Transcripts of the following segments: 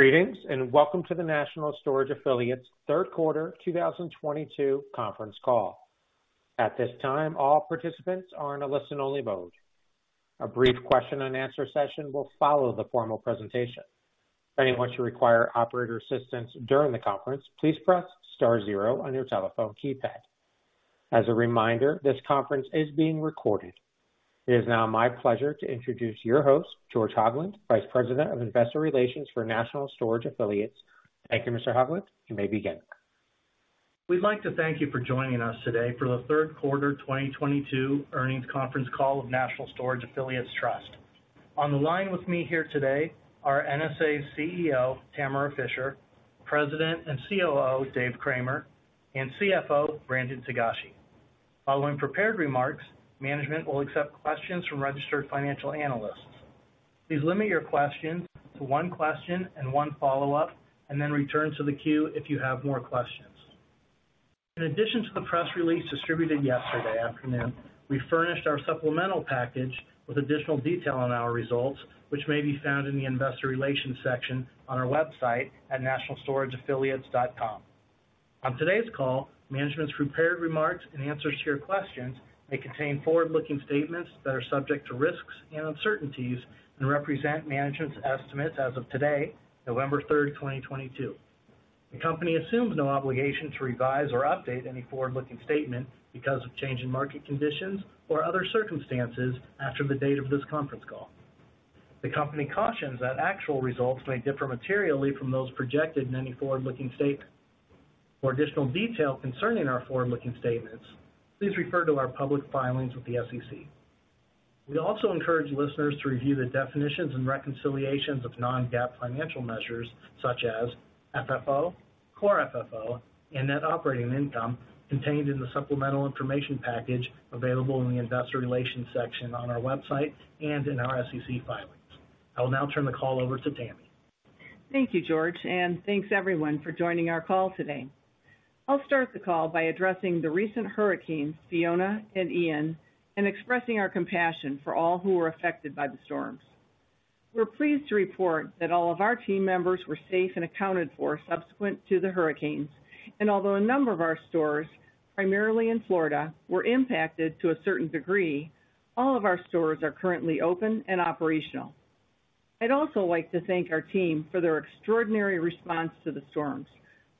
Greetings, and welcome to the National Storage Affiliates third quarter 2022 conference call. At this time, all participants are in a listen-only mode. A brief question and answer session will follow the formal presentation. If anyone should require operator assistance during the conference, please press star zero on your telephone keypad. As a reminder, this conference is being recorded. It is now my pleasure to introduce your host, George Hoglund, Vice President of Investor Relations for National Storage Affiliates. Thank you, Mr. Hoglund. You may begin. We'd like to thank you for joining us today for the third quarter 2022 earnings conference call of National Storage Affiliates Trust. On the line with me here today are NSA's CEO, Tamara Fischer, President and COO, David Cramer, and CFO, Brandon Togashi. Following prepared remarks, management will accept questions from registered financial analysts. Please limit your questions to one question and one follow-up, and then return to the queue if you have more questions. In addition to the press release distributed yesterday afternoon, we furnished our supplemental package with additional detail on our results, which may be found in the investor relations section on our website at nsastorage.com. On today's call, management's prepared remarks and answers to your questions may contain forward-looking statements that are subject to risks and uncertainties and represent management's estimates as of today, November 3, 2022. The company assumes no obligation to revise or update any forward-looking statement because of changing market conditions or other circumstances after the date of this conference call. The company cautions that actual results may differ materially from those projected in any forward-looking statement. For additional detail concerning our forward-looking statements, please refer to our public filings with the SEC. We also encourage listeners to review the definitions and reconciliations of non-GAAP financial measures such as FFO, Core FFO, and net operating income contained in the supplemental information package available in the investor relations section on our website and in our SEC filings. I will now turn the call over to Tammy. Thank you, George, and thanks everyone for joining our call today. I'll start the call by addressing the recent hurricanes, Fiona and Ian, and expressing our compassion for all who were affected by the storms. We're pleased to report that all of our team members were safe and accounted for subsequent to the hurricanes. Although a number of our stores, primarily in Florida, were impacted to a certain degree, all of our stores are currently open and operational. I'd also like to thank our team for their extraordinary response to the storms,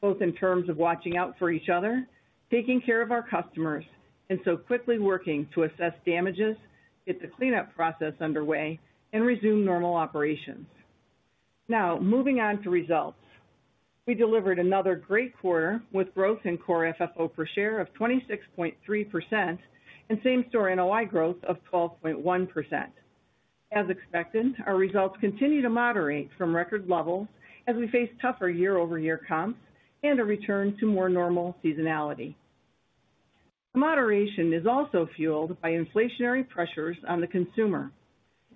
both in terms of watching out for each other, taking care of our customers, and so quickly working to assess damages, get the cleanup process underway, and resume normal operations. Now, moving on to results. We delivered another great quarter with growth in Core FFO per share of 26.3% and same-store NOI growth of 12.1%. As expected, our results continue to moderate from record levels as we face tougher year-over-year comps and a return to more normal seasonality. Moderation is also fueled by inflationary pressures on the consumer.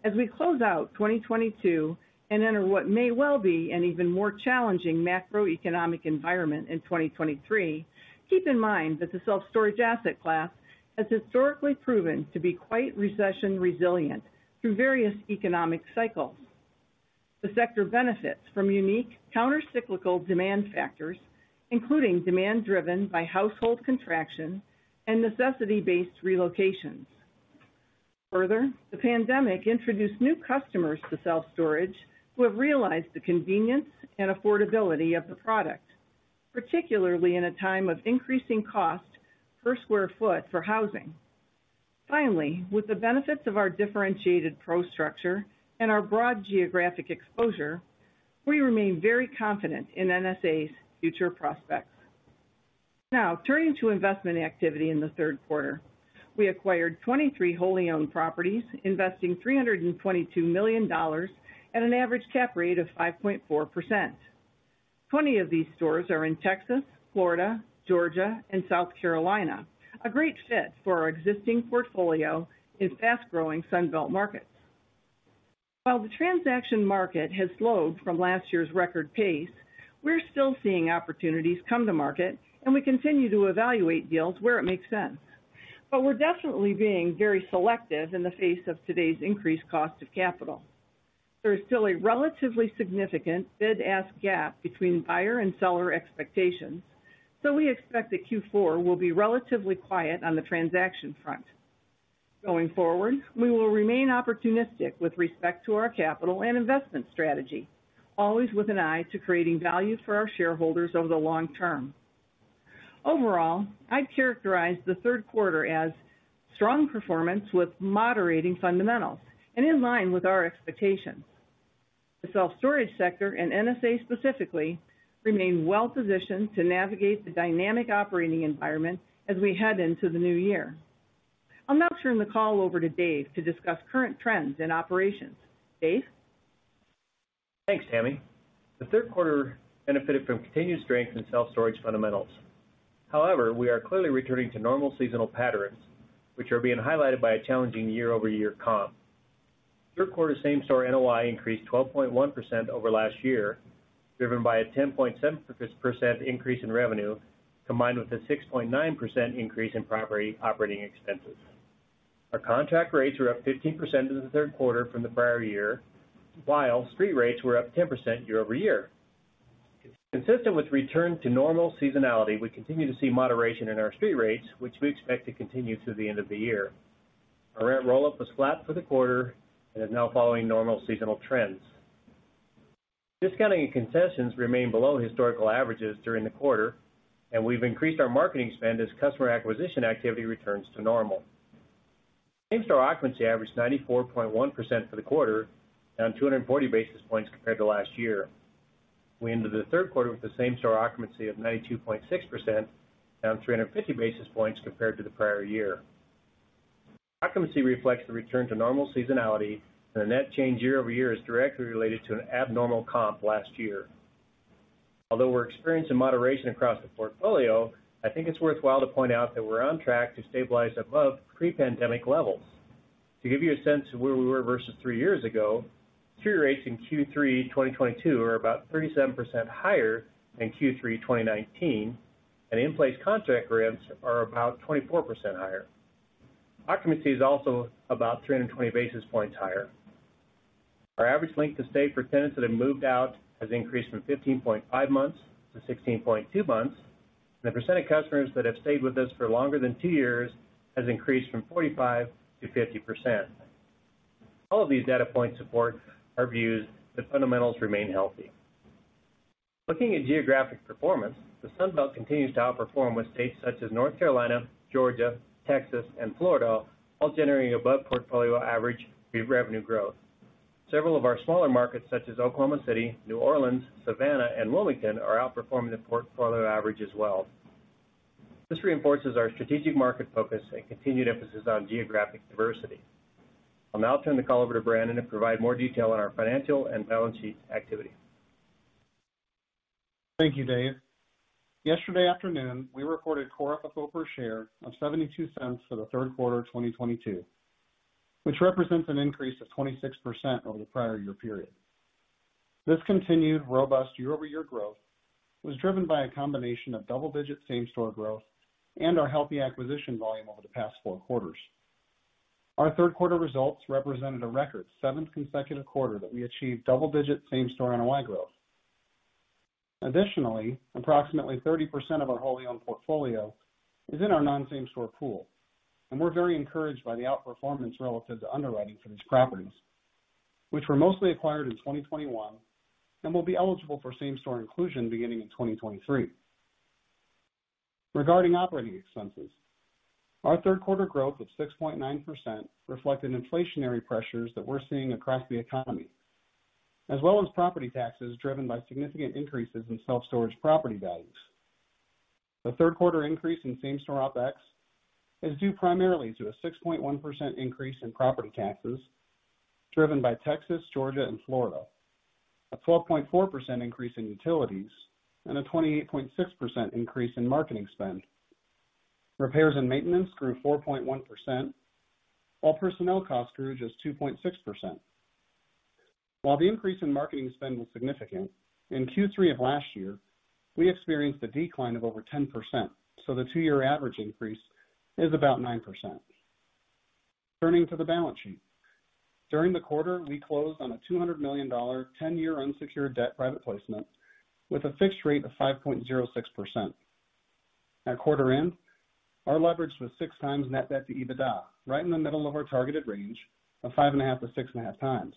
As we close out 2022 and enter what may well be an even more challenging macroeconomic environment in 2023, keep in mind that the self-storage asset class has historically proven to be quite recession resilient through various economic cycles. The sector benefits from unique counter-cyclical demand factors, including demand driven by household contraction and necessity-based relocations. Further, the pandemic introduced new customers to self-storage who have realized the convenience and affordability of the product, particularly in a time of increasing cost per square foot for housing. Finally, with the benefits of our differentiated PRO structure and our broad geographic exposure, we remain very confident in NSA's future prospects. Now, turning to investment activity in the third quarter. We acquired 23 wholly owned properties, investing $322 million at an average cap rate of 5.4%. 20 of these stores are in Texas, Florida, Georgia, and South Carolina, a great fit for our existing portfolio in fast-growing Sun Belt markets. While the transaction market has slowed from last year's record pace, we're still seeing opportunities come to market, and we continue to evaluate deals where it makes sense. We're definitely being very selective in the face of today's increased cost of capital. There is still a relatively significant bid-ask gap between buyer and seller expectations, so we expect that Q4 will be relatively quiet on the transaction front. Going forward, we will remain opportunistic with respect to our capital and investment strategy, always with an eye to creating value for our shareholders over the long term. Overall, I'd characterize the third quarter as strong performance with moderating fundamentals and in line with our expectations. The self-storage sector, and NSA specifically, remain well-positioned to navigate the dynamic operating environment as we head into the new year. I'll now turn the call over to Dave to discuss current trends in operations. Dave? Thanks, Tammy. The third quarter benefited from continued strength in self-storage fundamentals. However, we are clearly returning to normal seasonal patterns, which are being highlighted by a challenging year-over-year comp. Third quarter same-store NOI increased 12.1% over last year, driven by a 10.7% increase in revenue, combined with a 6.9% increase in property operating expenses. Our contract rates were up 15% in the third quarter from the prior year, while street rates were up 10% year over year. Consistent with return to normal seasonality, we continue to see moderation in our street rates, which we expect to continue through the end of the year. Our rent roll was flat for the quarter and is now following normal seasonal trends. Discounting and concessions remained below historical averages during the quarter, and we've increased our marketing spend as customer acquisition activity returns to normal. Same-store occupancy averaged 94.1% for the quarter, down 240 basis points compared to last year. We ended the third quarter with the same-store occupancy of 92.6%, down 350 basis points compared to the prior year. Occupancy reflects the return to normal seasonality, and the net change year-over-year is directly related to an abnormal comp last year. Although we're experiencing moderation across the portfolio, I think it's worthwhile to point out that we're on track to stabilize above pre-pandemic levels. To give you a sense of where we were versus three years ago, street rates in Q3 2022 are about 37% higher than Q3 2019, and in-place contract rents are about 24% higher. Occupancy is also about 320 basis points higher. Our average length to stay for tenants that have moved out has increased from 15.5 months to 16.2 months, and the percent of customers that have stayed with us for longer than two years has increased from 45 to 50%. All of these data points support our views that fundamentals remain healthy. Looking at geographic performance, the Sun Belt continues to outperform with states such as North Carolina, Georgia, Texas, and Florida all generating above portfolio average revenue growth. Several of our smaller markets, such as Oklahoma City, New Orleans, Savannah, and Wilmington, are outperforming the portfolio average as well. This reinforces our strategic market focus and continued emphasis on geographic diversity. I'll now turn the call over to Brandon to provide more detail on our financial and balance sheet activity. Thank you, Dave. Yesterday afternoon, we reported Core FFO per share of $0.72 for the third quarter 2022, which represents an increase of 26% over the prior year period. This continued robust year-over-year growth was driven by a combination of double-digit same-store growth and our healthy acquisition volume over the past four quarters. Our third quarter results represented a record seventh consecutive quarter that we achieved double-digit same-store NOI growth. Additionally, approximately 30% of our wholly owned portfolio is in our non-same store pool, and we're very encouraged by the outperformance relative to underwriting for these properties, which were mostly acquired in 2021 and will be eligible for same-store inclusion beginning in 2023. Regarding operating expenses, our third quarter growth of 6.9% reflected inflationary pressures that we're seeing across the economy, as well as property taxes driven by significant increases in self-storage property values. The third quarter increase in same-store OpEx is due primarily to a 6.1% increase in property taxes driven by Texas, Georgia, and Florida, a 12.4% increase in utilities, and a 28.6% increase in marketing spend. Repairs and maintenance grew 4.1%, while personnel costs grew just 2.6%. While the increase in marketing spend was significant, in Q3 of last year, we experienced a decline of over 10%, so the two-year average increase is about 9%. Turning to the balance sheet. During the quarter, we closed on a $200 million 10-year unsecured debt private placement with a fixed rate of 5.06%. At quarter end, our leverage was 6x net debt to EBITDA, right in the middle of our targeted range of 5.5x-6.5x.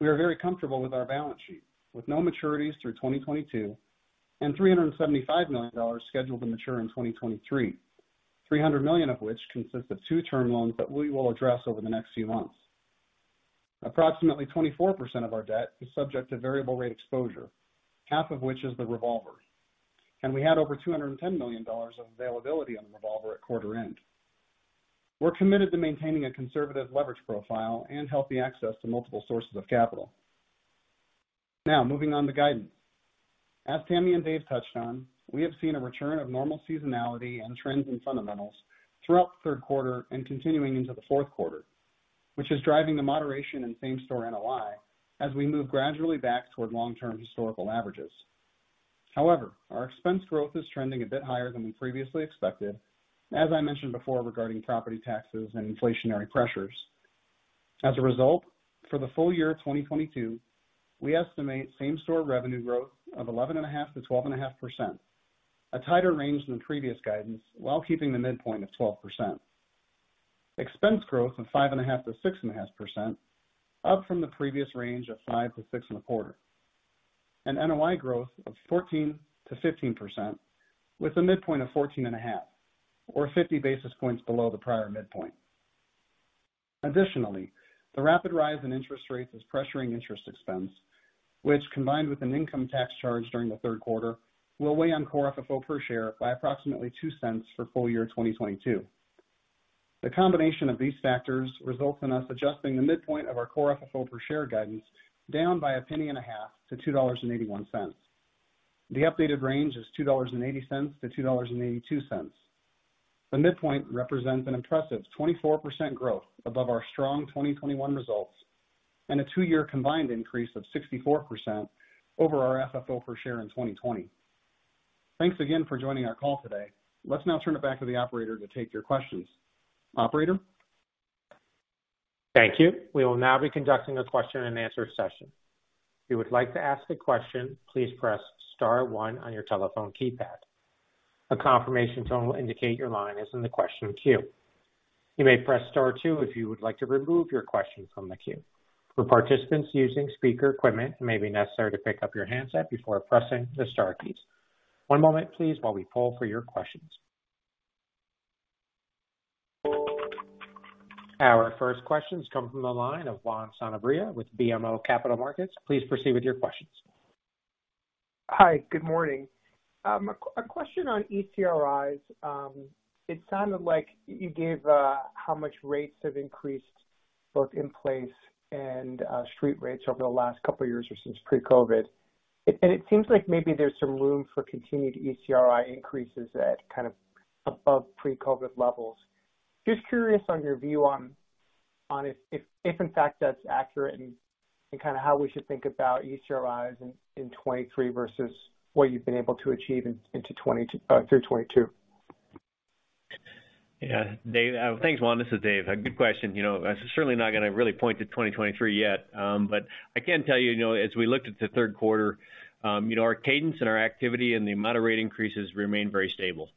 We are very comfortable with our balance sheet, with no maturities through 2022 and $375 million scheduled to mature in 2023, $300 million of which consists of two-term loans that we will address over the next few months. Approximately 24% of our debt is subject to variable rate exposure, half of which is the revolver, and we had over $210 million of availability on the revolver at quarter end. We're committed to maintaining a conservative leverage profile and healthy access to multiple sources of capital. Now, moving on to guidance. As Tammy and Dave touched on, we have seen a return of normal seasonality and trends in fundamentals throughout the third quarter and continuing into the fourth quarter, which is driving the moderation in same-store NOI as we move gradually back toward long-term historical averages. However, our expense growth is trending a bit higher than we previously expected, as I mentioned before regarding property taxes and inflationary pressures. As a result, for the full year 2022, we estimate same-store revenue growth of 11.5%-12.5%, a tighter range than the previous guidance, while keeping the midpoint of 12%. Expense growth of 5.5%-6.5%, up from the previous range of 5%-6.25%. An NOI growth of 14%-15% with a midpoint of 14.5%, or 50 basis points below the prior midpoint. Additionally, the rapid rise in interest rates is pressuring interest expense, which, combined with an income tax charge during the third quarter, will weigh on core FFO per share by approximately $0.02 for full year 2022. The combination of these factors results in us adjusting the midpoint of our core FFO per share guidance down by $0.015 to $2.81. The updated range is $2.80-$2.82. The midpoint represents an impressive 24% growth above our strong 2021 results and a two-year combined increase of 64% over our FFO per share in 2020.Thanks again for joining our call today. Let's now turn it back to the operator to take your questions. Operator? Thank you. We will now be conducting a question and answer session. If you would like to ask a question, please press star one on your telephone keypad. A confirmation tone will indicate your line is in the question queue. You may press star two if you would like to remove your question from the queue. For participants using speaker equipment, it may be necessary to pick up your handset before pressing the star keys. One moment please while we poll for your questions. Our first question comes from the line of Juan Sanabria with BMO Capital Markets. Please proceed with your questions. Hi, good morning. A Q&A question on ECRIs. It sounded like you gave how much rates have increased both in place and street rates over the last couple of years or since pre-COVID. It seems like maybe there's some room for continued ECRI increases at kind of above pre-COVID levels. Just curious on your view on if in fact that's accurate and kind of how we should think about ECRIs in 2023 versus what you've been able to achieve into 2022 through 2022. Yeah. Dave, thanks, Juan. This is Dave. A good question. You know, it's certainly not gonna really point to 2023 yet. I can tell you know, as we looked at the third quarter, you know, our cadence and our activity and the amount of rate increases remained very stable,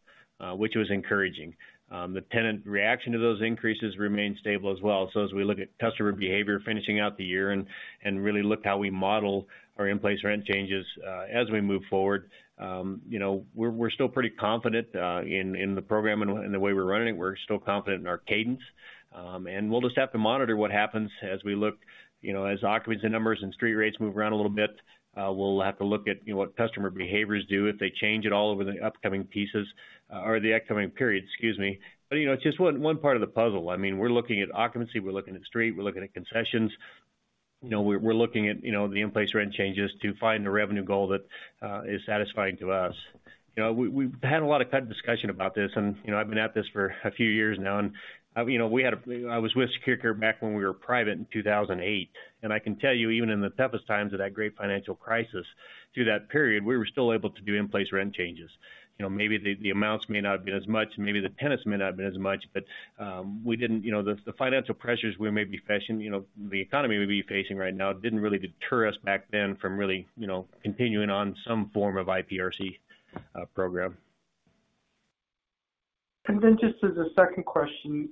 which was encouraging. The tenant reaction to those increases remained stable as well. As we look at customer behavior finishing out the year and really look how we model our in-place rent changes, as we move forward, you know, we're still pretty confident in the program and the way we're running it. We're still confident in our cadence. We'll just have to monitor what happens as we look, you know, as occupancy numbers and street rates move around a little bit. We'll have to look at, you know, what customer behaviors do if they change at all over the upcoming leases or the upcoming period, excuse me. You know, it's just one part of the puzzle. I mean, we're looking at occupancy, we're looking at street, we're looking at concessions. You know, we're looking at, you know, the in-place rent changes to find the revenue goal that is satisfying to us. You know, we've had a lot of kind of discussion about this, and, you know, I've been at this for a few years now, and, you know, I was with SecurCare back when we were private in 2008. I can tell you, even in the toughest times of that great financial crisis, through that period, we were still able to do in-place rent changes. You know, maybe the amounts may not have been as much, and maybe the tenants may not have been as many, but the financial pressures we may be facing, you know, the economy may be facing right now didn't really deter us back then from really, you know, continuing on some form of IPRC program. Just as a second question,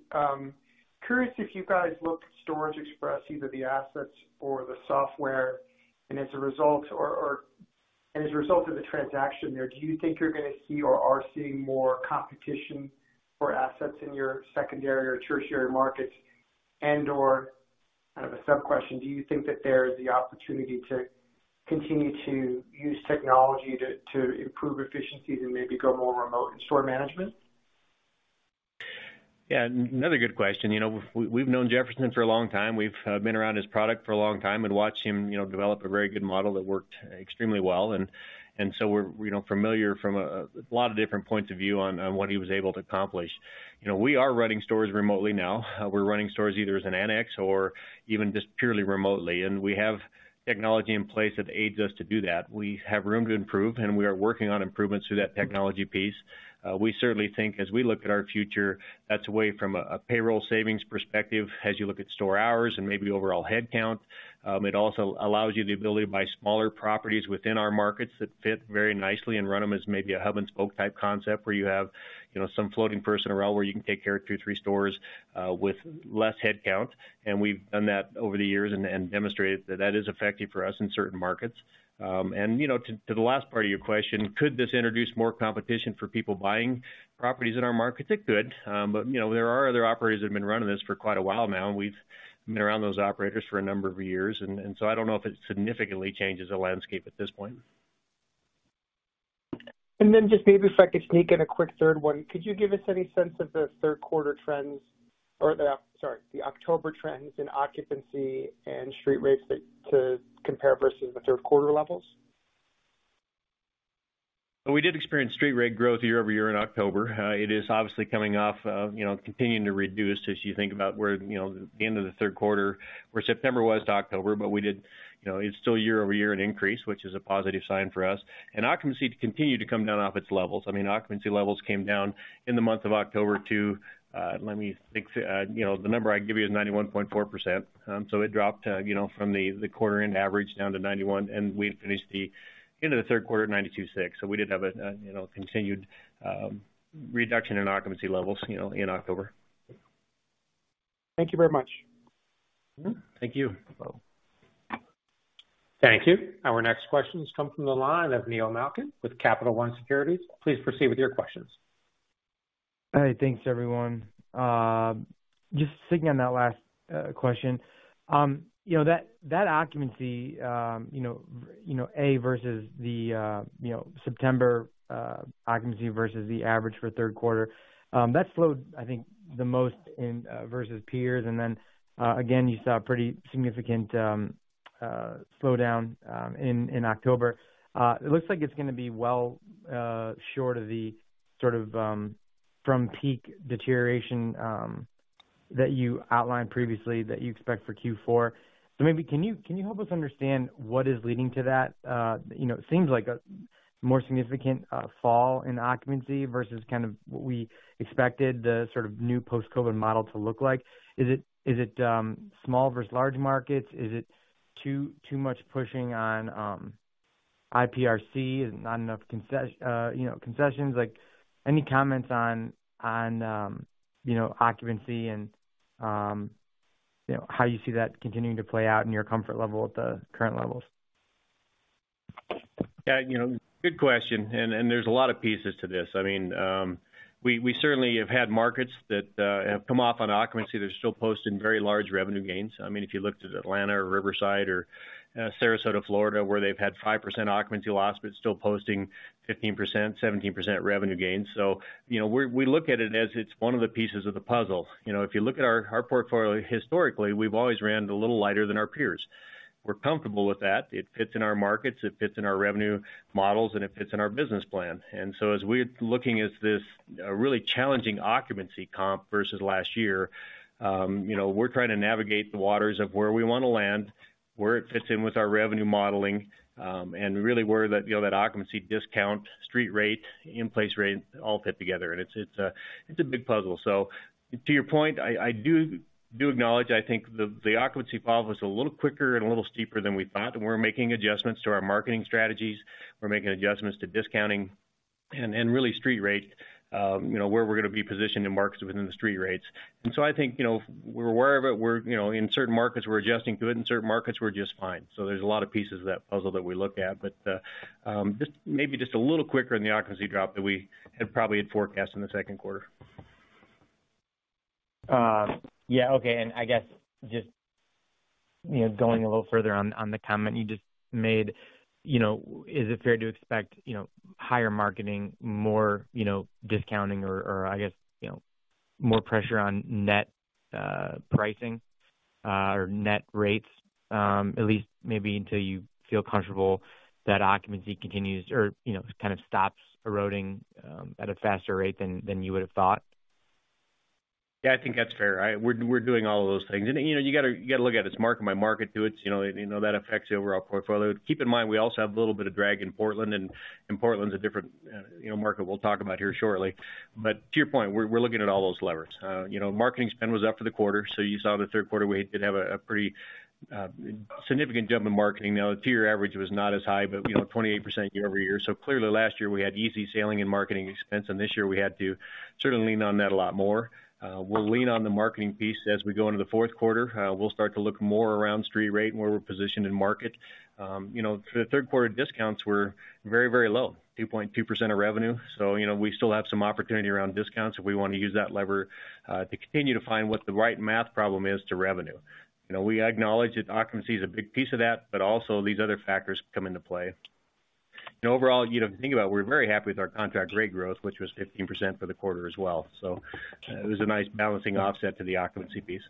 curious if you guys looked at Storage Express, either the assets or the software, and as a result of the transaction there, do you think you're gonna see or are seeing more competition for assets in your secondary or tertiary markets? Or kind of a sub question, do you think that there is the opportunity to continue to use technology to improve efficiencies and maybe go more remote in store management? Yeah. Another good question. You know, we've known Jefferson for a long time. We've been around his product for a long time and watched him, you know, develop a very good model that worked extremely well. So we're, you know, familiar from a lot of different points of view on what he was able to accomplish. You know, we are running stores remotely now. We're running stores either as an annex or even just purely remotely. We have technology in place that aids us to do that. We have room to improve, and we are working on improvements to that technology piece. We certainly think as we look at our future, that's a way from a payroll savings perspective as you look at store hours and maybe overall head count. It also allows you the ability to buy smaller properties within our markets that fit very nicely and run them as maybe a hub and spoke type concept where you have, you know, some floating personnel where you can take care of two, three stores with less head count. We've done that over the years and demonstrated that that is effective for us in certain markets. You know, to the last part of your question, could this introduce more competition for people buying properties in our markets? It could. You know, there are other operators that have been running this for quite a while now, and we've been around those operators for a number of years. I don't know if it significantly changes the landscape at this point. Just maybe if I could sneak in a quick third one. Could you give us any sense of the third quarter trends or the October trends in occupancy and street rates that to compare versus the third quarter levels? We did experience street rate growth year-over-year in October. It is obviously coming off of, you know, continuing to reduce as you think about where, you know, the end of the third quarter, where September was to October, but we did. You know, it's still year-over-year an increase, which is a positive sign for us. Occupancy continued to come down off its levels. I mean, occupancy levels came down in the month of October to the number I can give you is 91.4%. So it dropped, you know, from the quarter end average down to 91, and we finished the end of the third quarter at 92.6. So we did have a continued reduction in occupancy levels in October. Thank you very much. Mm-hmm. Thank you. Thank you. Our next question comes from the line of Neil Malkin with Capital One Securities. Please proceed with your questions. Hi. Thanks, everyone. Just sticking on that last question. You know, that occupancy, you know, versus the September occupancy versus the average for third quarter, that slowed, I think, the most versus peers. Then, again, you saw a pretty significant slowdown in October. It looks like it's gonna be well short of the sort of from peak deterioration that you outlined previously that you expect for Q4. Maybe can you help us understand what is leading to that? You know, it seems like a more significant fall in occupancy versus kind of what we expected the sort of new post-COVID model to look like. Is it small versus large markets? Is it too much pushing on IPRC and not enough concessions? Like any comments on occupancy and you know how you see that continuing to play out and your comfort level at the current levels. Yeah, you know, good question. There's a lot of pieces to this. I mean, we certainly have had markets that have come off on occupancy. They're still posting very large revenue gains. I mean, if you looked at Atlanta or Riverside or Sarasota, Florida, where they've had 5% occupancy loss, but still posting 15%, 17% revenue gains. You know, we look at it as it's one of the pieces of the puzzle. You know, if you look at our portfolio historically, we've always ran a little lighter than our peers. We're comfortable with that. It fits in our markets, it fits in our revenue models, and it fits in our business plan. As we're looking at this really challenging occupancy comp versus last year, you know, we're trying to navigate the waters of where we wanna land, where it fits in with our revenue modeling, and really where that, you know, that occupancy discount, street rate, in-place rate all fit together. It's a big puzzle. To your point, I do acknowledge I think the occupancy fall was a little quicker and a little steeper than we thought, and we're making adjustments to our marketing strategies. We're making adjustments to discounting and really street rate, you know, where we're gonna be positioned in markets within the street rates. I think, you know, we're aware of it. We're you know in certain markets, we're adjusting to it, in certain markets, we're just fine. There's a lot of pieces of that puzzle that we look at. Just a little quicker than the occupancy drop that we had probably had forecast in the second quarter. Yeah. Okay. I guess just, you know, going a little further on the comment you just made, you know, is it fair to expect, you know, higher marketing, more, you know, discounting or I guess, you know, more pressure on net pricing or net rates, at least maybe until you feel comfortable that occupancy continues or, you know, kind of stops eroding at a faster rate than you would have thought? Yeah, I think that's fair. We're doing all of those things. You know, you gotta look at it market by market too. It's, you know, that affects the overall portfolio. Keep in mind we also have a little bit of drag in Portland, and Portland's a different, you know, market we'll talk about here shortly. To your point, we're looking at all those levers. You know, marketing spend was up for the quarter, so you saw the third quarter, we did have a pretty significant jump in marketing. Now the tier average was not as high, but, you know, 28% year-over-year. Clearly last year we had easy sailing and marketing expense, and this year we had to certainly lean on that a lot more. We'll lean on the marketing piece as we go into the fourth quarter. We'll start to look more around street rate and where we're positioned in market. You know, the third quarter discounts were very, very low, 2.2% of revenue. You know, we still have some opportunity around discounts, and we wanna use that lever to continue to find what the right math problem is to revenue. You know, we acknowledge that occupancy is a big piece of that, but also these other factors come into play. Overall, you know, think about it, we're very happy with our contract rate growth, which was 15% for the quarter as well. It was a nice balancing offset to the occupancy piece.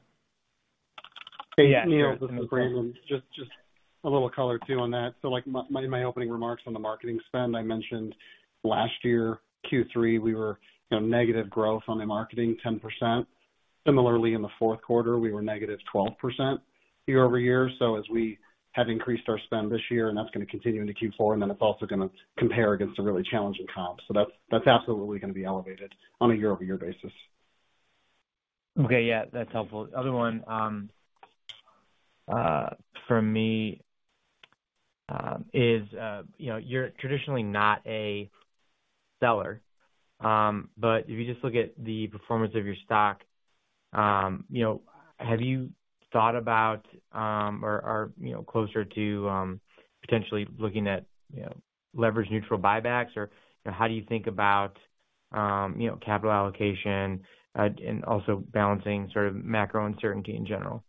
Yeah. Hey, Neil, this is Brandon. Just a little color too on that. Like my opening remarks on the marketing spend, I mentioned last year, Q3, we were, you know, negative growth on the marketing 10%. Similarly, in the fourth quarter, we were negative 12% year-over-year. As we have increased our spend this year, and that's gonna continue into Q4, and then it's also gonna compare against a really challenging comp. That's absolutely gonna be elevated on a year-over-year basis. Okay. Yeah, that's helpful. Other one for me is you know, you're traditionally not a seller. But if you just look at the performance of your stock, you know, have you thought about or you know, closer to potentially looking at you know, leverage neutral buybacks or you know, how do you think about you know, capital allocation and also balancing sort of macro uncertainty in general?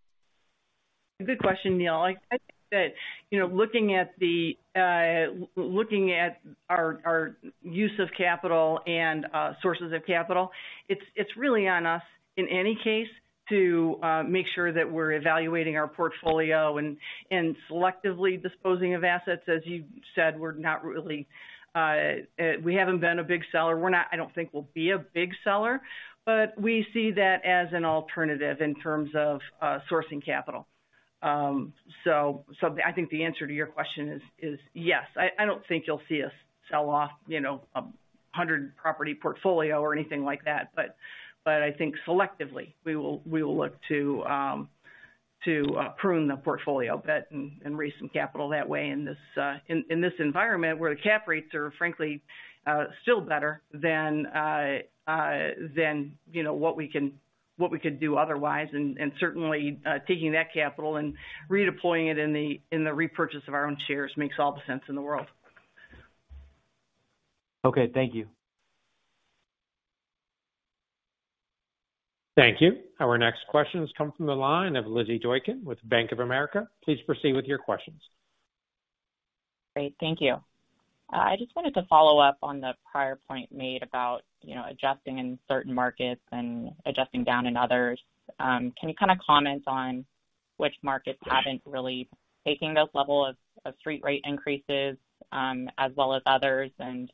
Good question, Neil. I think that, you know, looking at our use of capital and sources of capital, it's really on us in any case to make sure that we're evaluating our portfolio and selectively disposing of assets. As you said, we're not really, we haven't been a big seller. We're not. I don't think we'll be a big seller, but we see that as an alternative in terms of sourcing capital. So, I think the answer to your question is yes. I don't think you'll see us sell off, you know, a 100-property portfolio or anything like that, but I think selectively, we will look to prune the portfolio a bit and raise some capital that way in this environment where the cap rates are frankly still better than, you know, what we can, what we could do otherwise. Certainly, taking that capital and redeploying it in the repurchase of our own shares makes all the sense in the world. Okay. Thank you. Thank you. Our next question comes from the line of Elizabeth Doykan with Bank of America. Please proceed with your questions. Great. Thank you. I just wanted to follow up on the prior point made about, you know, adjusting in certain markets and adjusting down in others. Can you kinda comment on which markets haven't really taken those level of street rate increases, as well as others, and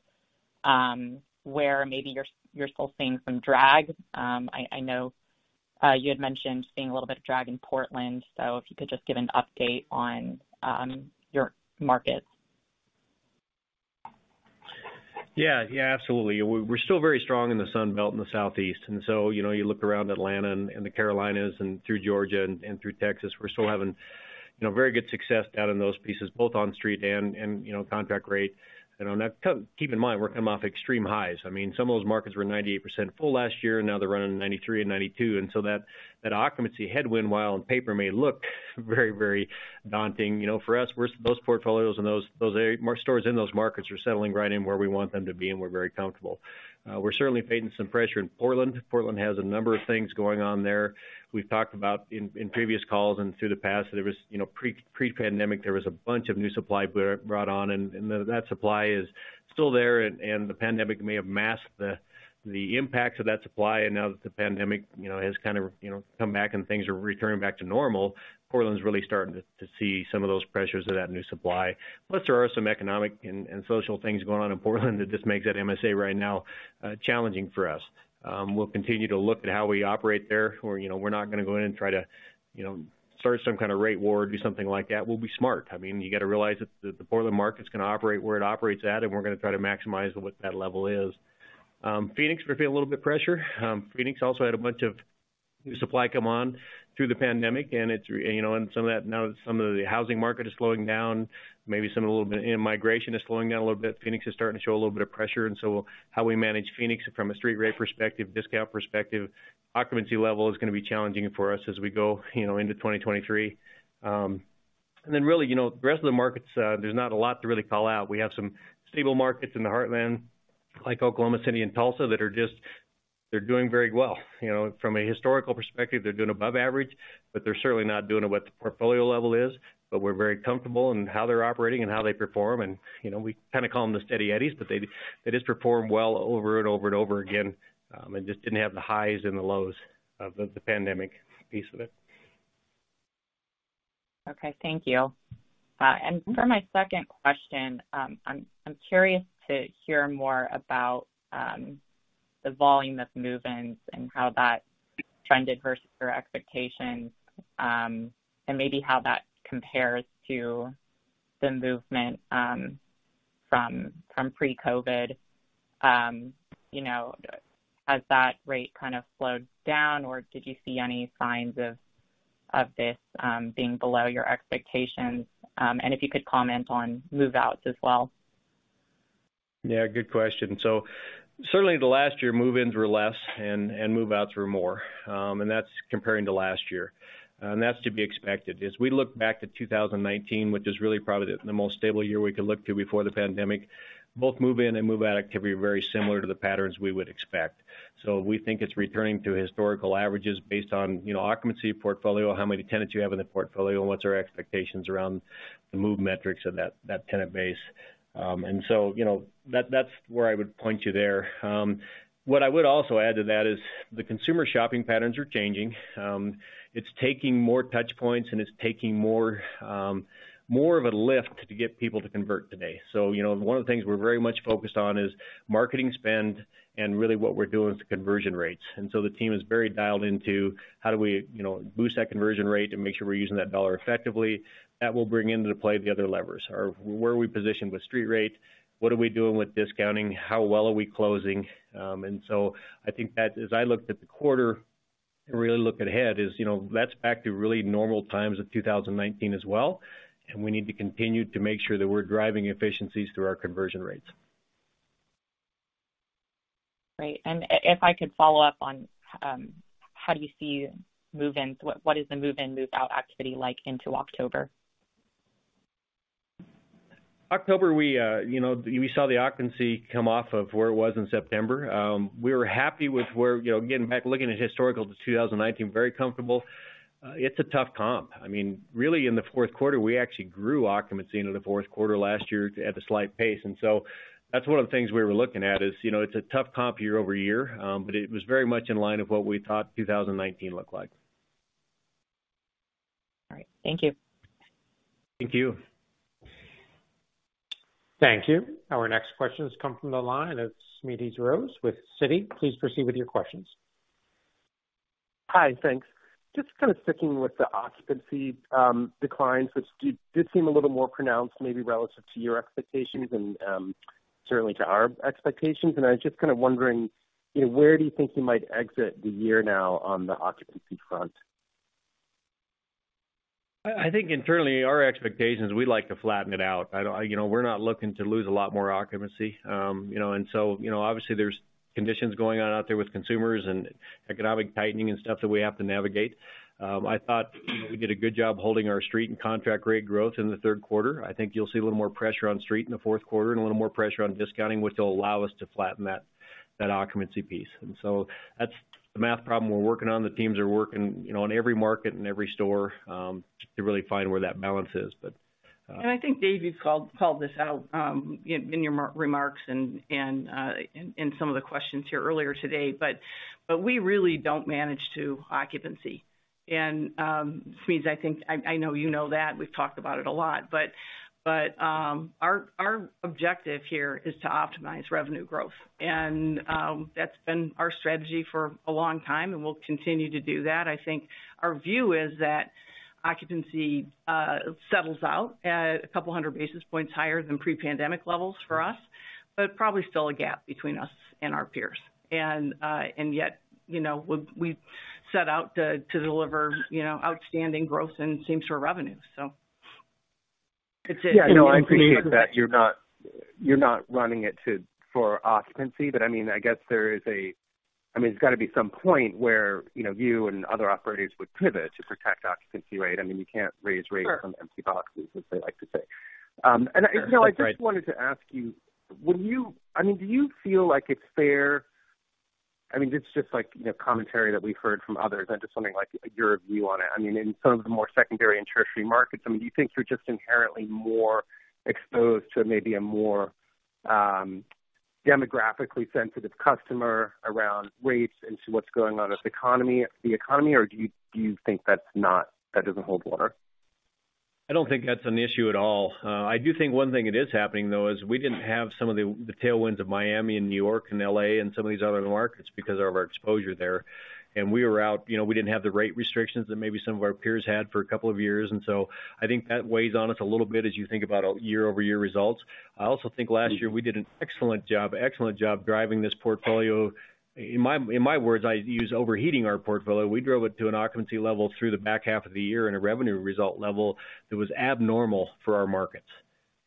where maybe you're still seeing some drag. I know you had mentioned seeing a little bit of drag in Portland, so if you could just give an update on your markets. Yeah. Yeah, absolutely. We're still very strong in the Sun Belt in the Southeast. You know, you look around Atlanta and the Carolinas and through Georgia and through Texas, we're still having, you know, very good success down in those pieces, both on street and you know, contract rate. You know, now keep in mind, we're coming off extreme highs. I mean, some of those markets were 98% full last year, and now they're running 93% and 92%. That occupancy headwind, while on paper may look very, very daunting, you know, for us, those portfolios and those more stores in those markets are settling right in where we want them to be, and we're very comfortable. We're certainly facing some pressure in Portland. Portland has a number of things going on there. We've talked about in previous calls and through the past, there was you know pre-pandemic there was a bunch of new supply brought on, and that supply is still there. The pandemic may have masked the impacts of that supply. Now that the pandemic you know has kind of you know come and gone and things are returning back to normal, Portland's really starting to see some of those pressures of that new supply. Plus, there are some economic and social things going on in Portland that just makes that MSA right now challenging for us. We'll continue to look at how we operate there. We're you know not gonna go in and try to you know start some kind of rate war, do something like that. We'll be smart. I mean, you got to realize that the Portland market's gonna operate where it operates at, and we're gonna try to maximize what that level is. Phoenix, we're feeling a little bit pressure. Phoenix also had a bunch of new supply come on through the pandemic, and some of that, now that some of the housing market is slowing down and migration is slowing down a little bit, Phoenix is starting to show a little bit of pressure. How we manage Phoenix from a street rate perspective, discount perspective, occupancy level is gonna be challenging for us as we go, you know, into 2023. Really, you know, the rest of the markets, there's not a lot to really call out. We have some stable markets in the Heartland, like Oklahoma City and Tulsa, that are just, they're doing very well. You know, from a historical perspective, they're doing above average, but they're certainly not doing at what the portfolio level is. We're very comfortable in how they're operating and how they perform. You know, we kind of call them the steady Eddies, but they just perform well over and over and over again, and just didn't have the highs and the lows of the pandemic piece of it. Okay. Thank you. For my second question, I'm curious to hear more about the volume of move-ins and how that trended versus your expectations, and maybe how that compares to the movement from pre-COVID. You know, has that rate kind of slowed down, or did you see any signs of this being below your expectations? If you could comment on move-outs as well. Yeah, good question. Certainly the last year, move-ins were less and move-outs were more. That's comparing to last year. That's to be expected. As we look back to 2019, which is really probably the most stable year we could look to before the pandemic, both move in and move out activity are very similar to the patterns we would expect. We think it's returning to historical averages based on, you know, occupancy portfolio, how many tenants you have in the portfolio, and what's our expectations around the move metrics of that tenant base. You know, that's where I would point you there. What I would also add to that is the consumer shopping patterns are changing. It's taking more touch points, and it's taking more of a lift to get people to convert today. You know, one of the things we're very much focused on is marketing spend and really what we're doing with conversion rates. The team is very dialed into how do we, you know, boost that conversion rate and make sure we're using that dollar effectively. That will bring into play the other levers. Where are we positioned with street rate? What are we doing with discounting? How well are we closing? I think that as I looked at the quarter and really look ahead is, you know, that's back to really normal times of 2019 as well, and we need to continue to make sure that we're driving efficiencies through our conversion rates. Great. If I could follow up on how do you see move-ins? What is the move in, move out activity like into October? October, we, you know, we saw the occupancy come off of where it was in September. We were happy with where, you know, again, back looking at historical to 2019, very comfortable. It's a tough comp. I mean, really in the fourth quarter, we actually grew occupancy into the fourth quarter last year at a slight pace. That's one of the things we were looking at is, you know, it's a tough comp year-over-year, but it was very much in line of what we thought 2019 looked like. All right. Thank you. Thank you. Thank you. Our next question has come from the line of Smedes Rose with Citi. Please proceed with your questions. Hi. Thanks. Just kind of sticking with the occupancy declines, which do seem a little more pronounced maybe relative to your expectations and certainly to our expectations. I was just kind of wondering, you know, where do you think you might exit the year now on the occupancy front? I think internally our expectations, we'd like to flatten it out. I don't you know, we're not looking to lose a lot more occupancy. You know, obviously there's conditions going on out there with consumers and economic tightening and stuff that we have to navigate. I thought we did a good job holding our street and contract rate growth in the third quarter. I think you'll see a little more pressure on street in the fourth quarter and a little more pressure on discounting, which will allow us to flatten that occupancy piece. That's the math problem we're working on. The teams are working, you know, on every market and every store to really find where that balance is, but. I think, Dave, you've called this out in your remarks and in some of the questions here earlier today, but we really don't manage to occupancy. Smedes, I think I know you know that, we've talked about it a lot. Our objective here is to optimize revenue growth. That's been our strategy for a long time, and we'll continue to do that. I think our view is that occupancy settles out at 200 basis points higher than pre-pandemic levels for us, but probably still a gap between us and our peers. Yet, you know, we've set out to deliver, you know, outstanding growth and same-store revenue. Yeah. No, I appreciate that you're not running it for occupancy. I mean, I guess there is. I mean, there's got to be some point where, you know, you and other operators would pivot to protect occupancy rate. I mean, you can't raise rates- Sure. -on empty boxes, as they like to say. You know, I just wanted to ask you. I mean, do you feel like it's fair? I mean, it's just like, you know, commentary that we've heard from others and just something like your view on it. I mean, in some of the more secondary and tertiary markets, I mean, do you think you're just inherently more exposed to maybe a more demographically sensitive customer around rates and to what's going on with economy, the economy? Or do you think that's not that doesn't hold water? I don't think that's an issue at all. I do think one thing that is happening, though, is we didn't have some of the tailwinds of Miami and New York and L.A. and some of these other markets because of our exposure there. We were out. You know, we didn't have the rate restrictions that maybe some of our peers had for a couple of years. I think that weighs on us a little bit as you think about year-over-year results. I also think last year we did an excellent job driving this portfolio. In my words, I use overheating our portfolio. We drove it to an occupancy level through the back half of the year and a revenue result level that was abnormal for our markets.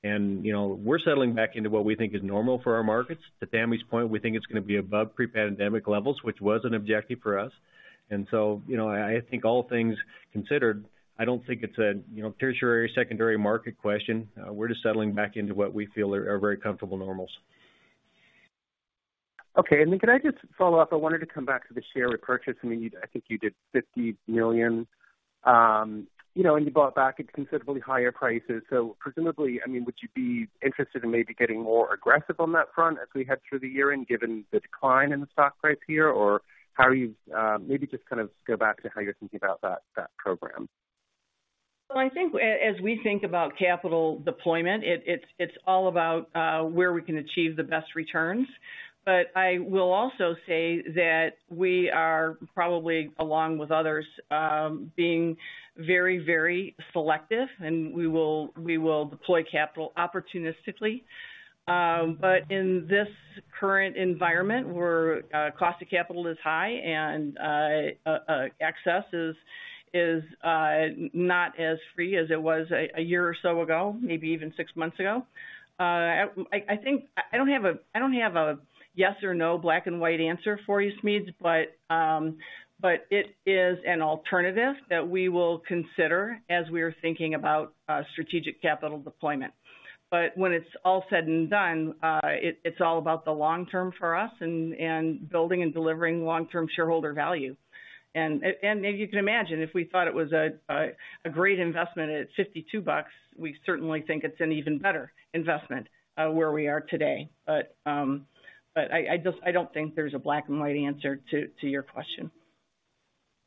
You know, we're settling back into what we think is normal for our markets. To Tammy's point, we think it's gonna be above pre-pandemic levels, which was an objective for us. you know, I think all things considered, I don't think it's a, you know, tertiary, secondary market question. We're just settling back into what we feel are very comfortable normals. Okay. Could I just follow up? I wanted to come back to the share repurchase. I mean, you, I think you did $50 million, you know, and you bought back at considerably higher prices. Presumably, I mean, would you be interested in maybe getting more aggressive on that front as we head through the year and given the decline in the stock price here? Or how are you? Maybe just kind of go back to how you're thinking about that program. Well, I think as we think about capital deployment, it's all about where we can achieve the best returns. I will also say that we are probably, along with others, being very, very selective, and we will deploy capital opportunistically. In this current environment where cost of capital is high and access is not as free as it was a year or so ago, maybe even six months ago, I think I don't have a yes or no black and white answer for you, Smedes. It is an alternative that we will consider as we are thinking about strategic capital deployment. When it's all said and done, it's all about the long term for us and building and delivering long-term shareholder value. You can imagine if we thought it was a great investment at $52, we certainly think it's an even better investment where we are today. I just don't think there's a black and white answer to your question.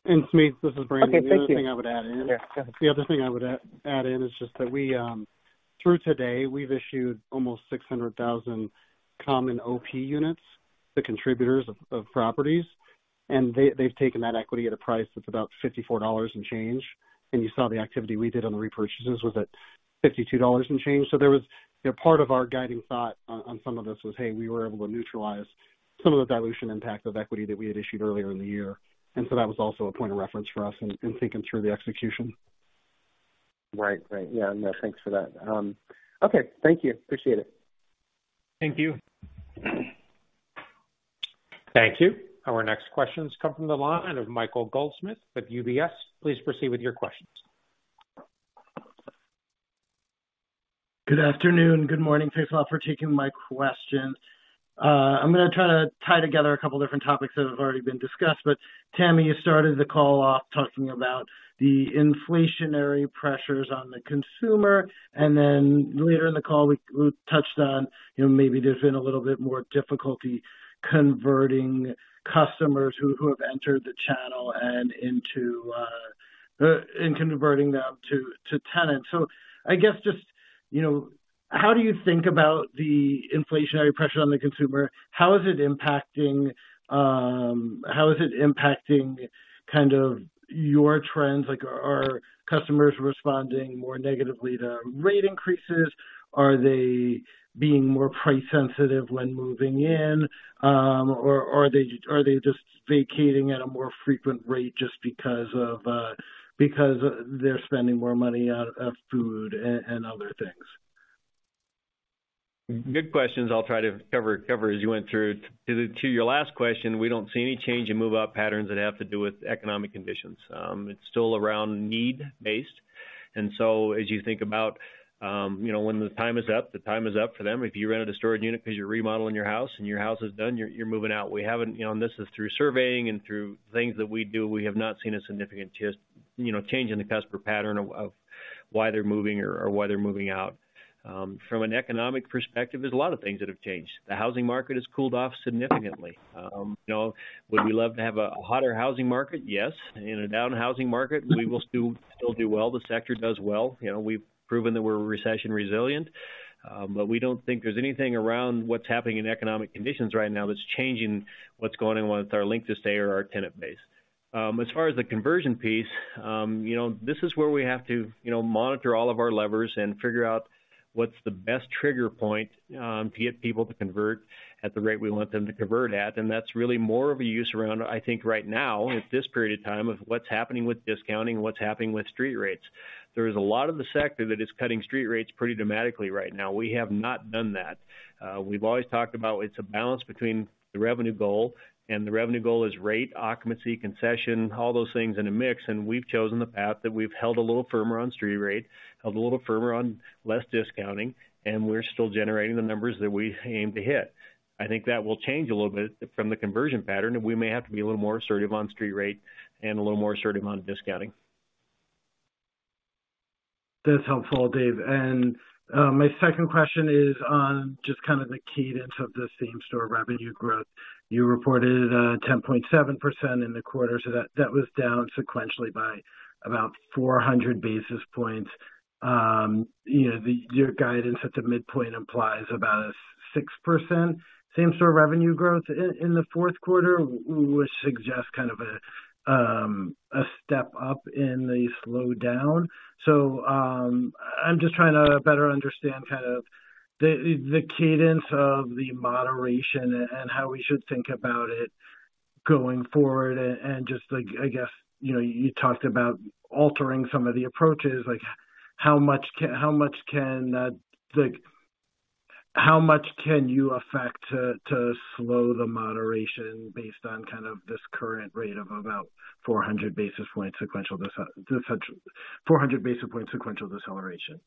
Smedes, this is Brandon. Okay. Thank you. The other thing I would add in. Yeah. Go ahead. The other thing I would add in is just that we, through today, we've issued almost 600,000 common OP units to contributors of properties. They've taken that equity at a price that's about $54 and change. You saw the activity we did on the repurchases was at $52 and change. There was, you know, part of our guiding thought on some of this was, hey, we were able to neutralize some of the dilution impact of equity that we had issued earlier in the year. That was also a point of reference for us in thinking through the execution. Right. Yeah. No, thanks for that. Okay. Thank you. Appreciate it. Thank you. Thank you. Our next questions come from the line of Michael Goldsmith with UBS. Please proceed with your questions. Good afternoon, good morning. Thanks a lot for taking my questions. I'm gonna try to tie together a couple different topics that have already been discussed. Tammy, you started the call off talking about the inflationary pressures on the consumer. Then later in the call, we touched on, you know, maybe there's been a little bit more difficulty converting customers who have entered the channel and in converting them to tenants. I guess just, you know, how do you think about the inflationary pressure on the consumer? How is it impacting kind of your trends? Like, are customers responding more negatively to rate increases? Are they being more price sensitive when moving in? Or are they just vacating at a more frequent rate just because they're spending more money on food and other things? Good questions. I'll try to cover as you went through. To your last question, we don't see any change in move out patterns that have to do with economic conditions. It's still around need based. As you think about, you know, when the time is up, the time is up for them. If you rented a storage unit because you're remodeling your house and your house is done, you're moving out. We haven't, you know, and this is through surveying and through things that we do, we have not seen a significant, you know, change in the customer pattern of why they're moving or why they're moving out. From an economic perspective, there's a lot of things that have changed. The housing market has cooled off significantly. You know, would we love to have a hotter housing market? Yes. In a down housing market, we will still do well. The sector does well. You know, we've proven that we're recession resilient, but we don't think there's anything around what's happening in economic conditions right now that's changing what's going on with our length of stay or our tenant base. As far as the conversion piece, you know, this is where we have to, you know, monitor all of our levers and figure out what's the best trigger point to get people to convert at the rate we want them to convert at. That's really more of a use around, I think right now, at this period of time, of what's happening with discounting, what's happening with street rates. There is a lot of the sector that is cutting street rates pretty dramatically right now. We have not done that. We've always talked about it's a balance between the revenue goal, and the revenue goal is rate, occupancy, concession, all those things in a mix. We've chosen the path that we've held a little firmer on street rate, held a little firmer on less discounting, and we're still generating the numbers that we aim to hit. I think that will change a little bit from the conversion pattern, and we may have to be a little more assertive on street rate and a little more assertive on discounting. That's helpful, Dave. My second question is on just kind of the cadence of the same-store revenue growth. You reported 10.7% in the quarter, so that was down sequentially by about 400 basis points. You know, your guidance at the midpoint implies about a 6% same-store revenue growth in the fourth quarter, which suggests kind of a step up in the slowdown. I'm just trying to better understand kind of the cadence of the moderation and how we should think about it going forward. And just like, I guess, you know, you talked about altering some of the approaches, like how much can that... Like how much can you expect to slow the moderation based on kind of this current rate of about 400 basis points sequential deceleration?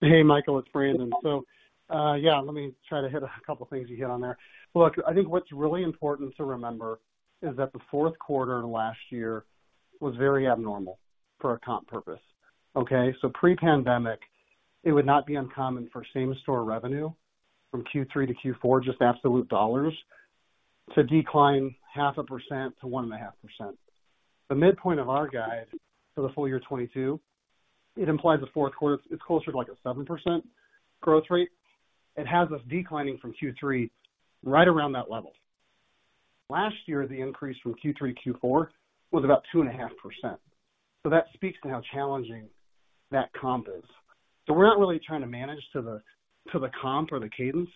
Hey, Michael, it's Brandon. Let me try to hit a couple things you hit on there. Look, I think what's really important to remember is that the fourth quarter last year was very abnormal for a comp purpose, okay? Pre-pandemic, it would not be uncommon for same-store revenue from Q3 to Q4, just absolute dollars, to decline 0.5% to 1.5%. The midpoint of our guide for the full year 2022, it implies a fourth quarter it's closer to, like, a 7% growth rate. It has us declining from Q3 right around that level. Last year, the increase from Q3 to Q4 was about 2.5%. That speaks to how challenging that comp is. We're not really trying to manage to the comp or the cadence.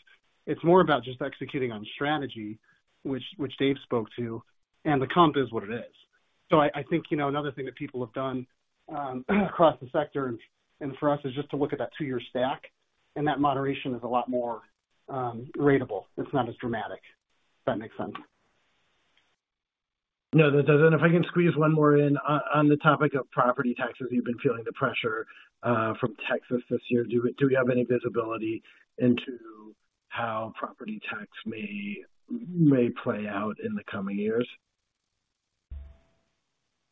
It's more about just executing on strategy, which Dave spoke to, and the comp is what it is. I think, you know, another thing that people have done across the sector and for us is just to look at that two-year stack, and that moderation is a lot more ratable. It's not as dramatic, if that makes sense. No, that does. If I can squeeze one more in. On the topic of property taxes, you've been feeling the pressure from Texas this year. Do we have any visibility into how property tax may play out in the coming years?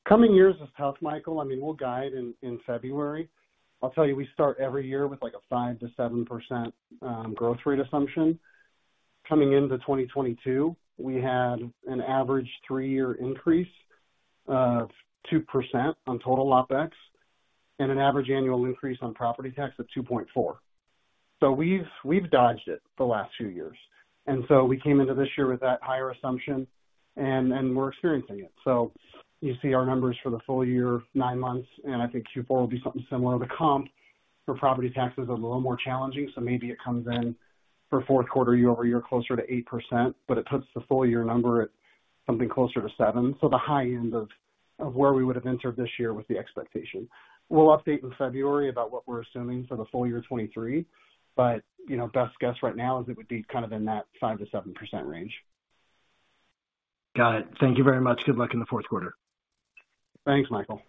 coming years is tough, Michael. I mean, we'll guide in February. I'll tell you, we start every year with, like, a 5%-7% growth rate assumption. Coming into 2022, we had an average three-year increase of 2% on total OpEx and an average annual increase on property tax of 2.4. We've dodged it the last few years, and so we came into this year with that higher assumption and we're experiencing it. You see our numbers for the full year, nine months, and I think Q4 will be something similar. The comp for property taxes is a little more challenging, so maybe it comes in for fourth quarter year-over-year closer to 8%, but it puts the full year number at something closer to 7. The high end of where we would have entered this year with the expectation. We'll update in February about what we're assuming for the full year 2023, but you know, best guess right now is it would be kind of in that 5%-7% range. Got it. Thank you very much. Good luck in the fourth quarter. Thanks, Michael.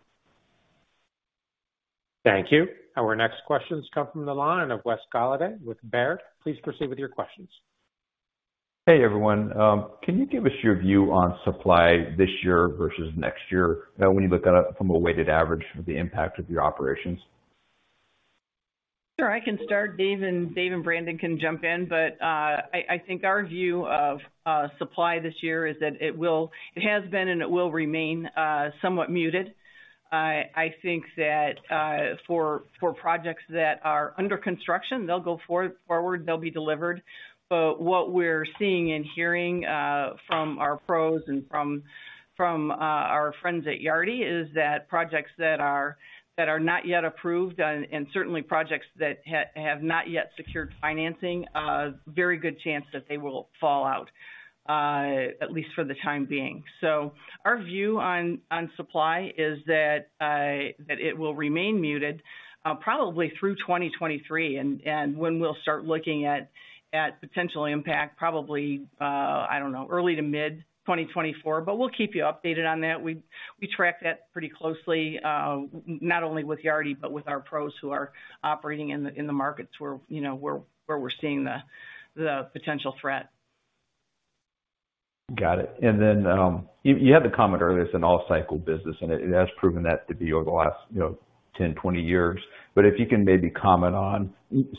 Thank you. Our next questions come from the line of Wes Golladay with Baird. Please proceed with your questions. Hey, everyone. Can you give us your view on supply this year versus next year, when you look at it from a weighted average of the impact of your operations? Sure, I can start. Dave and Brandon can jump in. I think our view of supply this year is that it has been, and it will remain, somewhat muted. I think that for projects that are under construction, they'll go forward, they'll be delivered. What we're seeing and hearing from our PROs and from our friends at Yardi is that projects that are not yet approved and certainly projects that have not yet secured financing very good chance that they will fall out at least for the time being. Our view on supply is that it will remain muted, probably through 2023, and when we'll start looking at potential impact probably, I don't know, early to mid-2024, but we'll keep you updated on that. We track that pretty closely, not only with Yardi, but with our PROs who are operating in the markets where, you know, where we're seeing the potential threat. Got it. Then, you had the comment earlier, it's an all cycle business, and it has proven that to be over the last, you know, 10, 20 years. If you can maybe comment on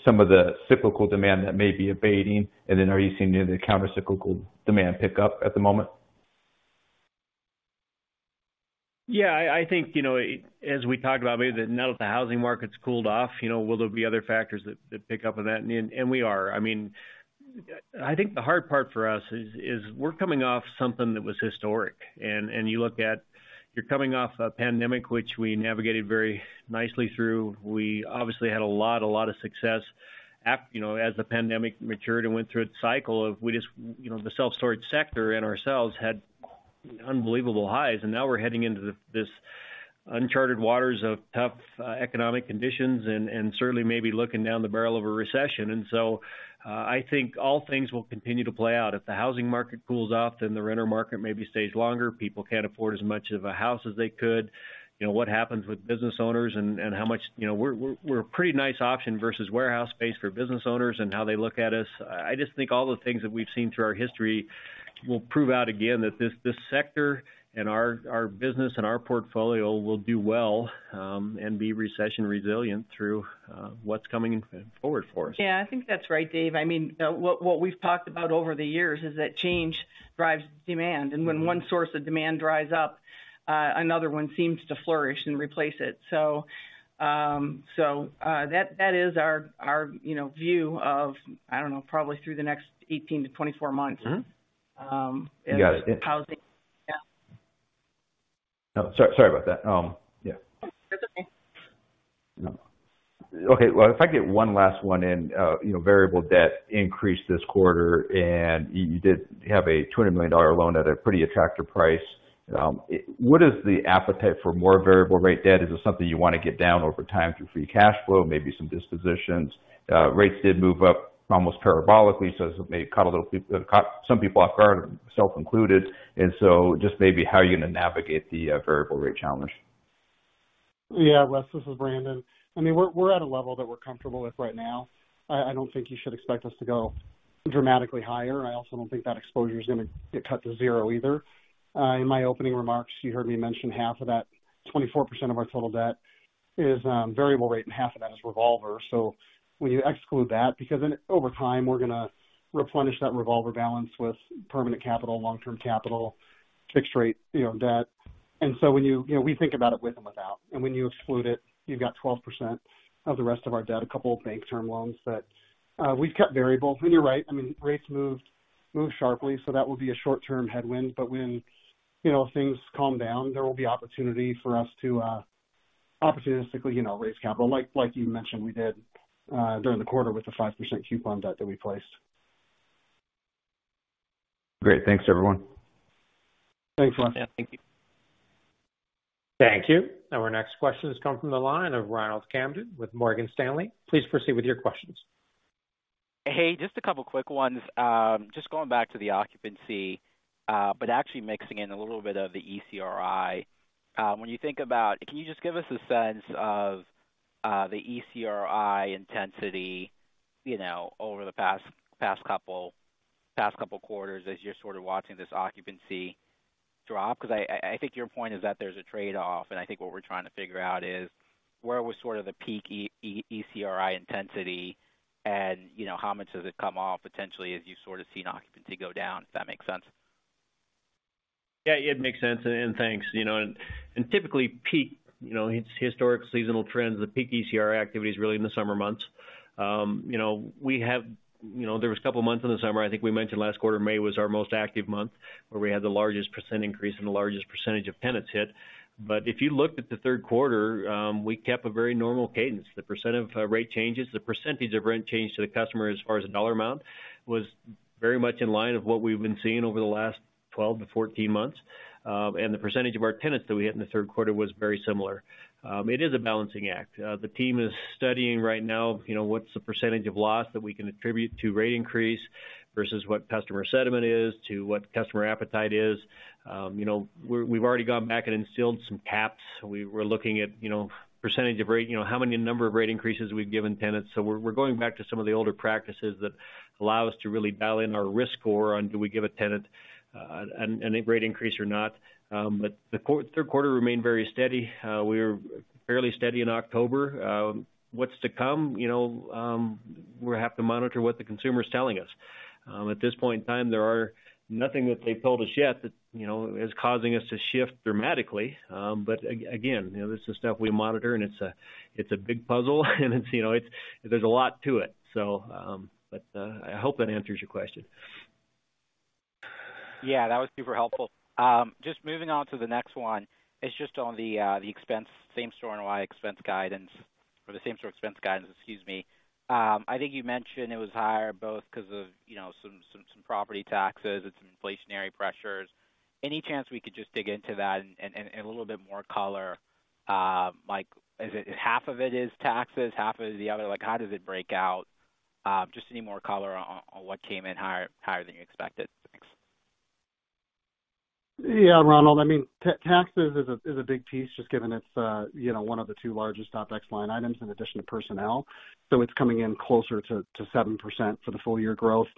some of the cyclical demand that may be abating, and then are you seeing the counter cyclical demand pick up at the moment? Yeah, I think, you know, as we talk about maybe that now that the housing market's cooled off, you know, will there be other factors that pick up on that? We are. I mean, I think the hard part for us is we're coming off something that was historic, and you look at, you're coming off a pandemic which we navigated very nicely through. We obviously had a lot of success, you know, as the pandemic matured and went through its cycle. We just, you know, the self-storage sector and ourselves had unbelievable highs. Now we're heading into this uncharted waters of tough economic conditions and certainly maybe looking down the barrel of a recession. I think all things will continue to play out. If the housing market cools off, then the renter market maybe stays longer. People can't afford as much of a house as they could. You know, what happens with business owners and how much. You know, we're a pretty nice option versus warehouse space for business owners and how they look at us. I just think all the things that we've seen through our history will prove out again that this sector and our business and our portfolio will do well and be recession resilient through what's coming forward for us. Yeah, I think that's right, Dave. I mean, what we've talked about over the years is that change drives demand. When one source of demand dries up, another one seems to flourish and replace it. That is our, you know, view of, I don't know, probably through the next 18-24 months. Mm-hmm. Got it. Housing. Yeah. No, sorry about that. Yeah. That's okay. Well, if I get one last one in, you know, variable debt increased this quarter, and you did have a $200 million loan at a pretty attractive price. What is the appetite for more variable rate debt? Is it something you wanna get down over time through free cash flow, maybe some dispositions? Rates did move up almost parabolically, so it may have caught some people off guard, myself included. Just maybe how you're gonna navigate the variable rate challenge. Yeah. Wes, this is Brandon. I mean, we're at a level that we're comfortable with right now. I don't think you should expect us to go dramatically higher. I also don't think that exposure is gonna get cut to zero either. In my opening remarks, you heard me mention half of that. 24% of our total debt is variable rate, and half of that is revolver. When you exclude that, because over time, we're gonna replenish that revolver balance with permanent capital, long-term capital, fixed rate, you know, debt. When you think about it with and without, and when you exclude it, you've got 12% of the rest of our debt, a couple of bank term loans that we've kept variable. You're right, I mean, rates move sharply, so that will be a short-term headwind. When, you know, things calm down, there will be opportunity for us to opportunistically, you know, raise capital like you mentioned we did during the quarter with the 5% coupon debt that we placed. Great. Thanks, everyone. Thanks. Yeah. Thank you. Thank you. Our next question has come from the line of Ronald Kamdem with Morgan Stanley. Please proceed with your questions. Hey, just a couple quick ones. Just going back to the occupancy, but actually mixing in a little bit of the ECRI. When you think about, can you just give us a sense of the ECRI intensity, you know, over the past couple quarters as you're sort of watching this occupancy drop? Because I think your point is that there's a trade-off, and I think what we're trying to figure out is where was sort of the peak ECRI intensity and, you know, how much does it come off potentially as you've sort of seen occupancy go down, if that makes sense. Yeah, it makes sense. Thanks. You know, typically peak, you know, historic seasonal trends, the peak ECRI activity is really in the summer months. You know, there was a couple of months in the summer, I think we mentioned last quarter, May was our most active month, where we had the largest percent increase and the largest percentage of tenants hit. If you looked at the third quarter, we kept a very normal cadence. The percent of rate changes, the percentage of rent change to the customer as far as the dollar amount was very much in line with what we've been seeing over the last 12-14 months. The percentage of our tenants that we hit in the third quarter was very similar. It is a balancing act. The team is studying right now, you know, what's the percentage of loss that we can attribute to rate increase versus what customer sentiment is to what customer appetite is. You know, we're, we've already gone back and instilled some caps. We were looking at, you know, percentage of rate, you know, how many number of rate increases we've given tenants. So we're going back to some of the older practices that allow us to really dial in our risk score on do we give a tenant an rate increase or not. But the third quarter remained very steady. We were fairly steady in October. What's to come, you know, we have to monitor what the consumer is telling us. At this point in time, there are nothing that they've told us yet that, you know, is causing us to shift dramatically. Again, you know, this is stuff we monitor and it's a big puzzle and, you know, there's a lot to it. I hope that answers your question. Yeah, that was super helpful. Just moving on to the next one. It's just on the expense, same-store NOI expense guidance or the same-store expense guidance, excuse me. I think you mentioned it was higher both 'cause of, you know, some property taxes and some inflationary pressures. Any chance we could just dig into that and a little bit more color? Like, is it half of it is taxes, half of it is the other? Like, how does it break out? Just any more color on what came in higher than you expected? Thanks. Yeah, Ronald, I mean, taxes is a big piece just given it's you know one of the two largest OpEx line items in addition to personnel. It's coming in closer to 7% for the full year growth.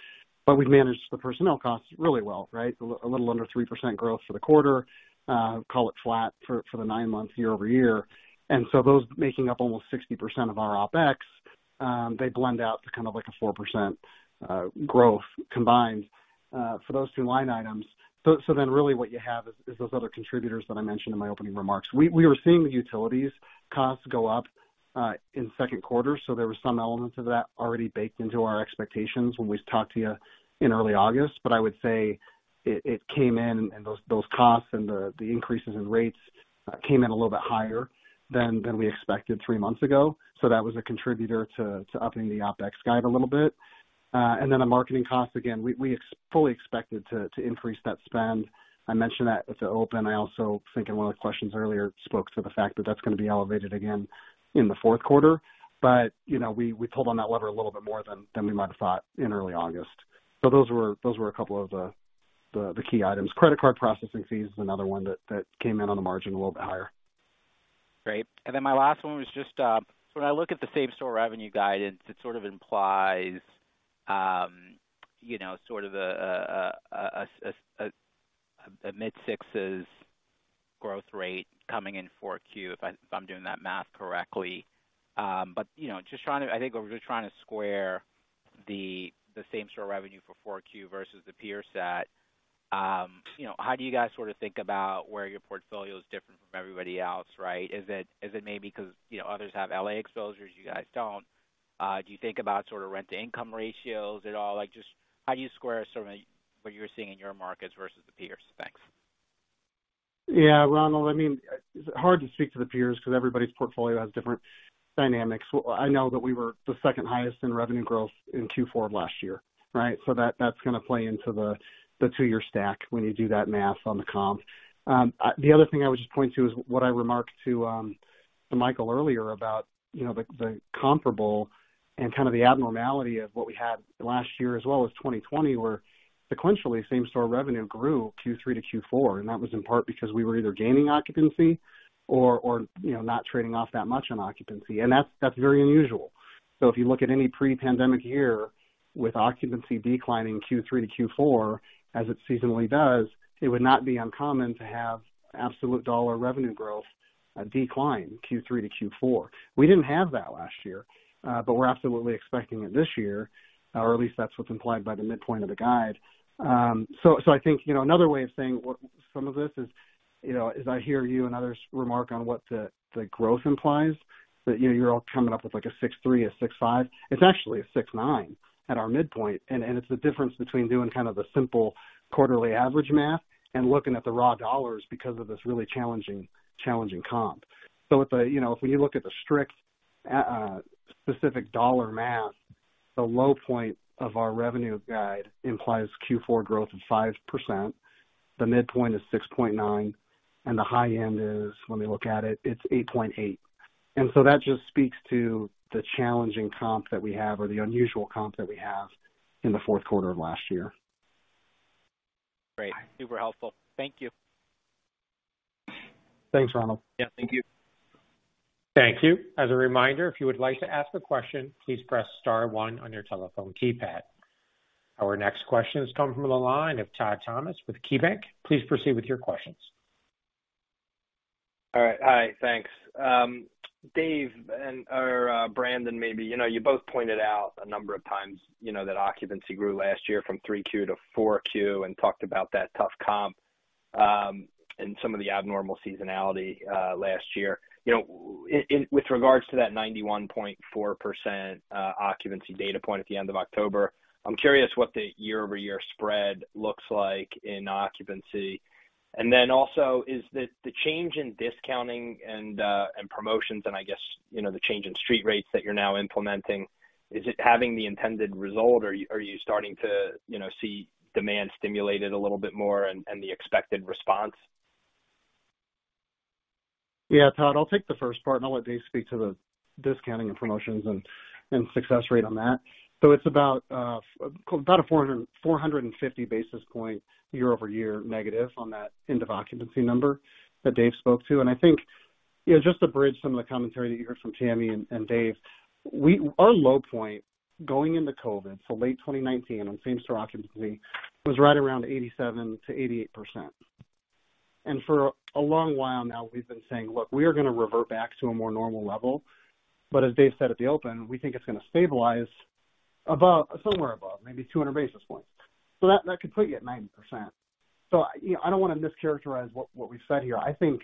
But we've managed the personnel costs really well, right? A little under 3% growth for the quarter, call it flat for the 9 months year-over-year. Those making up almost 60% of our OpEx, they blend out to kind of like a 4% growth combined for those two line items. Then really what you have is those other contributors that I mentioned in my opening remarks. We were seeing the utilities costs go up in second quarter, so there were some elements of that already baked into our expectations when we talked to you in early August. I would say it came in and those costs and the increases in rates came in a little bit higher than we expected three months ago. That was a contributor to upping the OpEx guide a little bit. Then on marketing costs, again, we fully expected to increase that spend. I mentioned that at the open. I also think in one of the questions earlier spoke to the fact that that's gonna be elevated again in the fourth quarter. You know, we pulled on that lever a little bit more than we might have thought in early August. Those were a couple of the key items. Credit card processing fees is another one that came in on the margin a little bit higher. Great. Then my last one was just, so when I look at the same-store revenue guidance, it sort of implies, you know, sort of a mid-sixes growth rate coming in 4Q, if I'm doing that math correctly. But, you know, I think we're just trying to square the same-store revenue for 4Q versus the peer set. You know, how do you guys sort of think about where your portfolio is different from everybody else, right? Is it maybe because, you know, others have L.A. exposures, you guys don't? Do you think about sort of rent-to-income ratios at all? Like, just how do you square sort of what you're seeing in your markets versus the peers? Thanks. Yeah. Ronald, I mean, it's hard to speak to the peers 'cause everybody's portfolio has different dynamics. I know that we were the second highest in revenue growth in Q4 last year, right? That's gonna play into the two-year stack when you do that math on the comp. The other thing I would just point to is what I remarked to Michael earlier about, you know, the comparable and kind of the abnormality of what we had last year as well as 2020, where sequentially same-store revenue grew Q3 to Q4, and that was in part because we were either gaining occupancy or you know, not trading off that much on occupancy. That's very unusual. If you look at any pre-pandemic year with occupancy declining Q3 to Q4, as it seasonally does, it would not be uncommon to have absolute dollar revenue growth decline Q3 to Q4. We didn't have that last year, but we're absolutely expecting it this year, or at least that's what's implied by the midpoint of the guide. I think, you know, another way of saying what some of this is, you know, as I hear you and others remark on what the growth implies, that, you know, you're all coming up with like a 6.3%, a 6.5%. It's actually a 6.9% at our midpoint. It's the difference between doing kind of the simple quarterly average math and looking at the raw dollars because of this really challenging comp. With the... You know, if we look at the strict, specific dollar math, the low point of our revenue guide implies Q4 growth of 5%, the midpoint is 6.9, and the high end is, when we look at it's 8.8. That just speaks to the challenging comp that we have or the unusual comp that we have in the fourth quarter of last year. Great. Super helpful. Thank you. Thanks, Ronald. Yeah. Thank you. Thank you. As a reminder, if you would like to ask a question, please press star one on your telephone keypad. Our next question is coming from the line of Todd Thomas with KeyBanc Capital Markets. Please proceed with your questions. All right. Hi. Thanks. Dave or Brandon, maybe, you know, you both pointed out a number of times, you know, that occupancy grew last year from 3Q to 4Q and talked about that tough comp and some of the abnormal seasonality last year. You know, with regards to that 91.4% occupancy data point at the end of October, I'm curious what the year-over-year spread looks like in occupancy. Also, is the change in discounting and promotions and I guess, you know, the change in street rates that you're now implementing having the intended result, or are you starting to, you know, see demand stimulated a little bit more and the expected response? Yeah, Todd, I'll take the first part, and I'll let Dave speak to the discounting and promotions and success rate on that. It's about 400-450 basis points year-over-year negative on that end of occupancy number that Dave spoke to. I think, you know, just to bridge some of the commentary that you heard from Tammy and Dave, our low point going into COVID, so late 2019 on same-store occupancy was right around 87%-88%. For a long while now, we've been saying, look, we are gonna revert back to a more normal level. As Dave said at the open, we think it's gonna stabilize above somewhere above, maybe 200 basis points. That could put you at 90%. You know, I don't wanna mischaracterize what we've said here. I think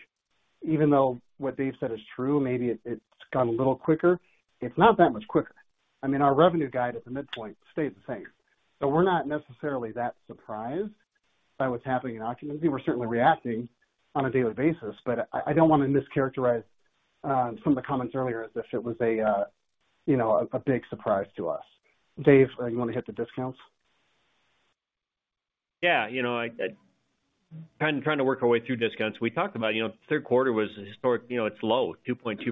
even though what Dave said is true, maybe it's gone a little quicker. It's not that much quicker. I mean, our revenue guide at the midpoint stayed the same. We're not necessarily that surprised by what's happening in occupancy. We're certainly reacting on a daily basis, but I don't wanna mischaracterize some of the comments earlier as if it was a you know, big surprise to us. Dave, you wanna hit the discounts? Yeah. You know, kind of trying to work our way through discounts. We talked about, you know, third quarter was historic, you know, it's low, 2.2%.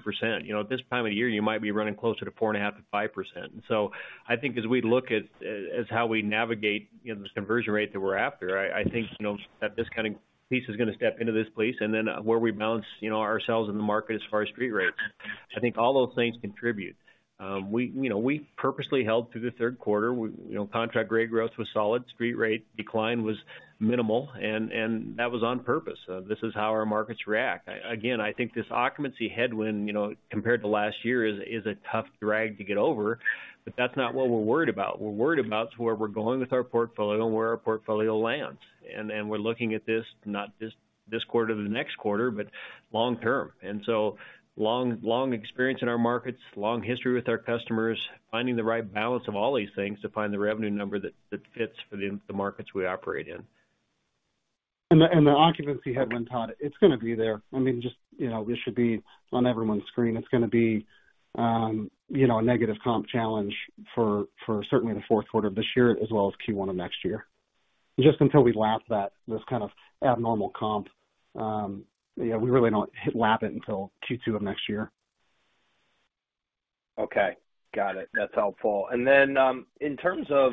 You know, at this time of year, you might be running closer to 4.5%-5%. I think as we look at, as how we navigate, you know, this conversion rate that we're after, I think, you know, that this kind of piece is gonna step into this place, and then where we balance, you know, ourselves in the market as far as street rates. I think all those things contribute. We, you know, purposely held through the third quarter. We, you know, contract rate growth was solid. Street rate decline was minimal, and that was on purpose. This is how our markets react. Again, I think this occupancy headwind, you know, compared to last year is a tough drag to get over, but that's not what we're worried about. We're worried about where we're going with our portfolio and where our portfolio lands. We're looking at this, not just this quarter or the next quarter, but long term. Long experience in our markets, long history with our customers, finding the right balance of all these things to find the revenue number that fits for the markets we operate in. The occupancy headwind, Todd, it's gonna be there. I mean, just, you know, this should be on everyone's screen. It's gonna be, you know, a negative comp challenge for certainly the fourth quarter of this year as well as Q1 of next year. Just until we lap that, this kind of abnormal comp, we really don't lap it until Q2 of next year. Okay. Got it. That's helpful. In terms of,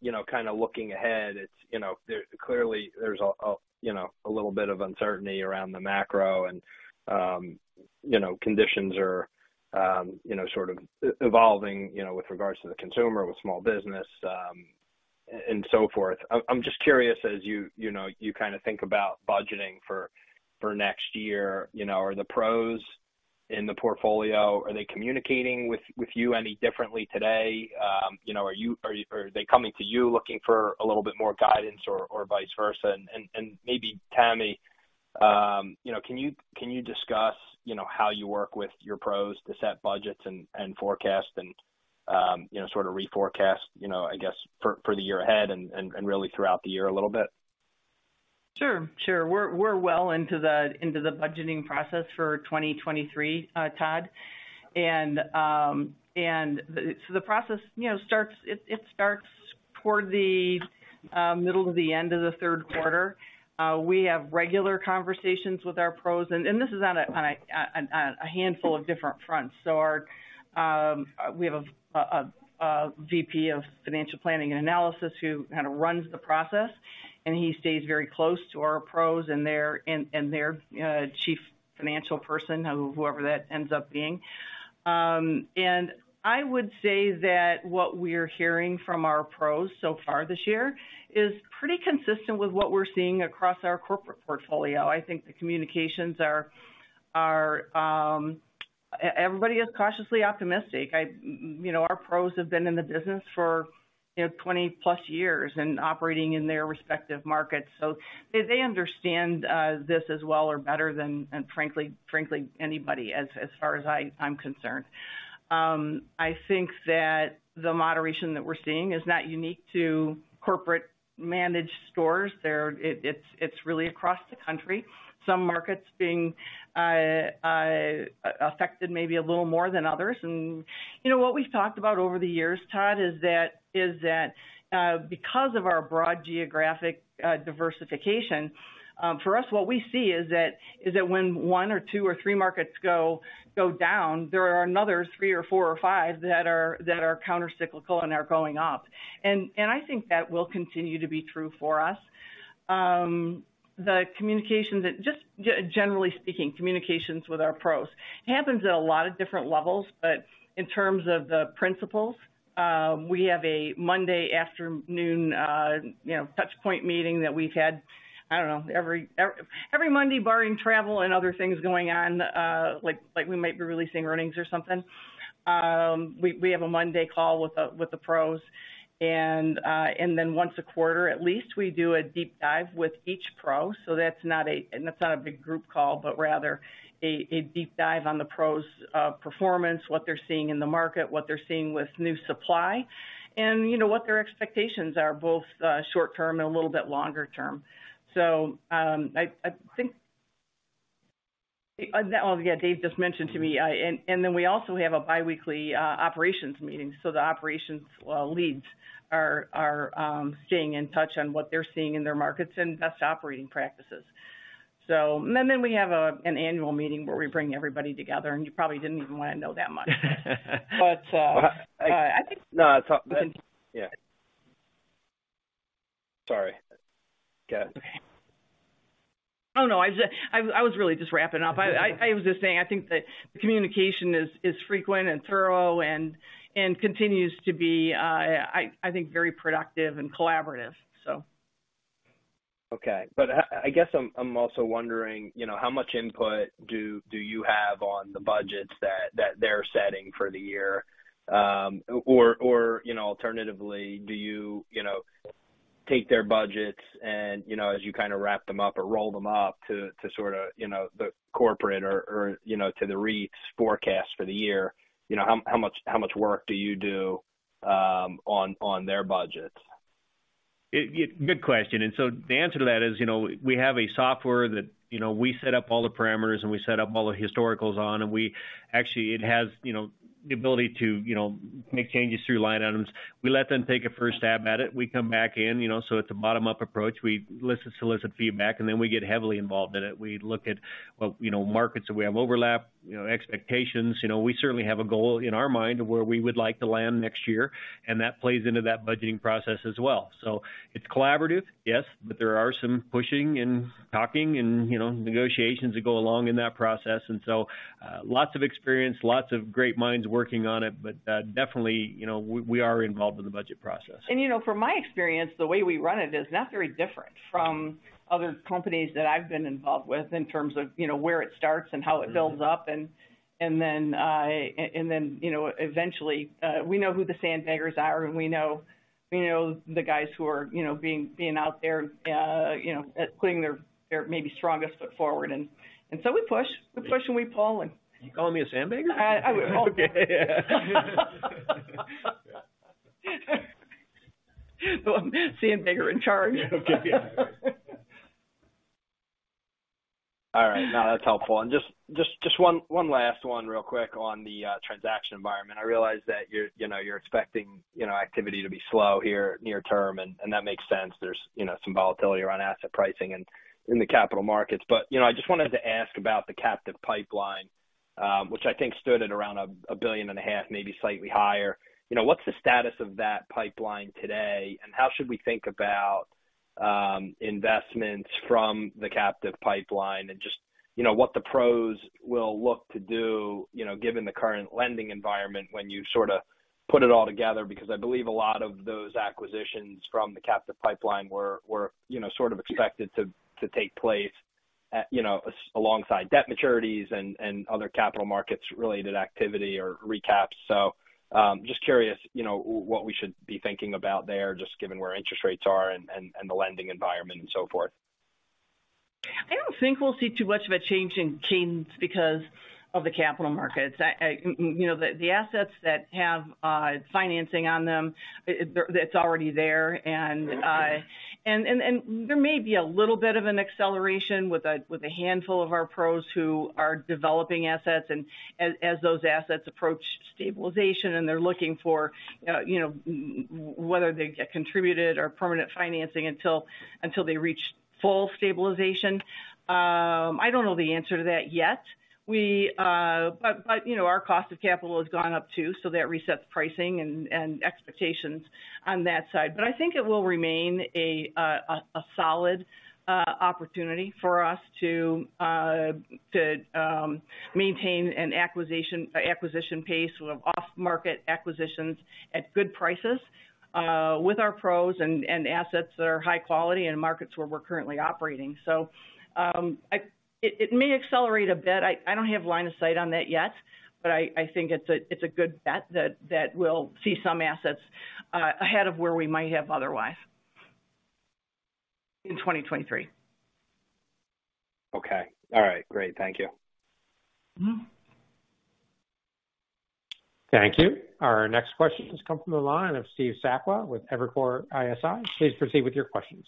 you know, kind of looking ahead, it's, you know, there's clearly a little bit of uncertainty around the macro and, you know, conditions are, you know, sort of evolving, you know, with regards to the consumer, with small business, and so forth. I'm just curious, as you know, you kind of think about budgeting for next year, you know, are the PROs in the portfolio communicating with you any differently today? You know, are they coming to you looking for a little bit more guidance or vice versa? Maybe Tammy, you know, can you discuss, you know, how you work with your PROs to set budgets and forecasts and, you know, sort of re-forecast, you know, I guess for the year ahead and really throughout the year a little bit? We're well into the budgeting process for 2023, Todd. The process, you know, starts toward the middle to the end of the third quarter. We have regular conversations with our PROs, and this is on a handful of different fronts. We have a VP of financial planning and analysis who kind of runs the process, and he stays very close to our PROs and their chief financial person, whoever that ends up being. I would say that what we're hearing from our PROs so far this year is pretty consistent with what we're seeing across our corporate portfolio. I think the communications are. Everybody is cautiously optimistic. You know, our PROs have been in the business for, you know, 20-plus years and operating in their respective markets, so they understand this as well or better than frankly anybody as far as I'm concerned. I think that the moderation that we're seeing is not unique to corporate managed stores. It's really across the country. Some markets being affected maybe a little more than others. You know, what we've talked about over the years, Todd, is that because of our broad geographic diversification, for us, what we see is that when one, two, or three markets go down, there are another three, four, or five that are countercyclical and are going up. I think that will continue to be true for us. The communication just generally speaking, communications with our PROs happens at a lot of different levels. In terms of the principals, we have a Monday afternoon, you know, touch point meeting that we've had, I don't know, every Monday, barring travel and other things going on, like we might be releasing earnings or something. We have a Monday call with the PROs. Then once a quarter at least, we do a deep dive with each PRO. That's not a big group call, but rather a deep dive on the PROs' performance, what they're seeing in the market, what they're seeing with new supply, you know, what their expectations are, both short term and a little bit longer term. Well, yeah, Dave just mentioned to me, and then we also have a biweekly operations meeting. The operations leads are staying in touch on what they're seeing in their markets and best operating practices. And then we have an annual meeting where we bring everybody together, and you probably didn't even want to know that much. I think. No, it's all. We can- Yeah. Sorry. Go ahead. Okay. Oh, no. I was really just wrapping up. I was just saying, I think that communication is frequent and thorough and continues to be, I think, very productive and collaborative. Okay. I guess I'm also wondering, you know, how much input do you have on the budgets that they're setting for the year? Or, you know, alternatively, do you know, take their budgets and, you know, as you kind of wrap them up or roll them up to sort of, you know, the corporate or, you know, to the REIT's forecast for the year, you know, how much work do you do on their budgets? It's a good question. The answer to that is, you know, we have a software that, you know, we set up all the parameters, and we set up all the historicals on, and we actually, it has, you know, the ability to, you know, make changes through line items. We let them take a first stab at it. We come back in, you know, so it's a bottom-up approach. We listen and solicit feedback, and then we get heavily involved in it. We look at what, you know, markets that we have overlap, you know, expectations. You know, we certainly have a goal in our mind of where we would like to land next year, and that plays into that budgeting process as well. It's collaborative, yes, but there are some pushing and talking and, you know, negotiations that go along in that process. Lots of experience, lots of great minds working on it, but definitely, you know, we are involved in the budget process. You know, from my experience, the way we run it is not very different from other companies that I've been involved with in terms of, you know, where it starts and how it builds up. Then, you know, eventually, we know who the sandbaggers are, and we know the guys who are, you know, being out there, you know, putting their maybe strongest foot forward. So we push and we pull. You calling me a sandbagger? Uh, I would- Okay. The one sandbagger in charge. Okay. All right. No, that's helpful. Just one last one real quick on the transaction environment. I realize that you're, you know, you're expecting, you know, activity to be slow here near term, and that makes sense. There's, you know, some volatility around asset pricing and in the capital markets. You know, I just wanted to ask about the captive pipeline, which I think stood at around $1.5 billion, maybe slightly higher. You know, what's the status of that pipeline today, and how should we think about investments from the captive pipeline and just, you know, what the PROs will look to do, you know, given the current lending environment when you sort of put it all together? Because I believe a lot of those acquisitions from the captive pipeline were, you know, sort of expected to take place at, you know, alongside debt maturities and other capital markets related activity or recaps. Just curious, you know, what we should be thinking about there, just given where interest rates are and the lending environment and so forth. I don't think we'll see too much of a change in cadence because of the capital markets. You know, the assets that have financing on them, it's already there. There may be a little bit of an acceleration with a handful of our PROs who are developing assets and as those assets approach stabilization, and they're looking for, you know, whether they get contributed or permanent financing until they reach full stabilization. I don't know the answer to that yet. You know, our cost of capital has gone up too, so that resets pricing and expectations on that side.I think it will remain a solid opportunity for us to maintain an acquisition pace of off-market acquisitions at good prices with our PROs and assets that are high quality in markets where we're currently operating. It may accelerate a bit. I don't have line of sight on that yet, but I think it's a good bet that we'll see some assets ahead of where we might have otherwise in 2023. Okay. All right, great. Thank you. Mm-hmm. Thank you. Our next question has come from the line of Steve Sakwa with Evercore ISI. Please proceed with your questions.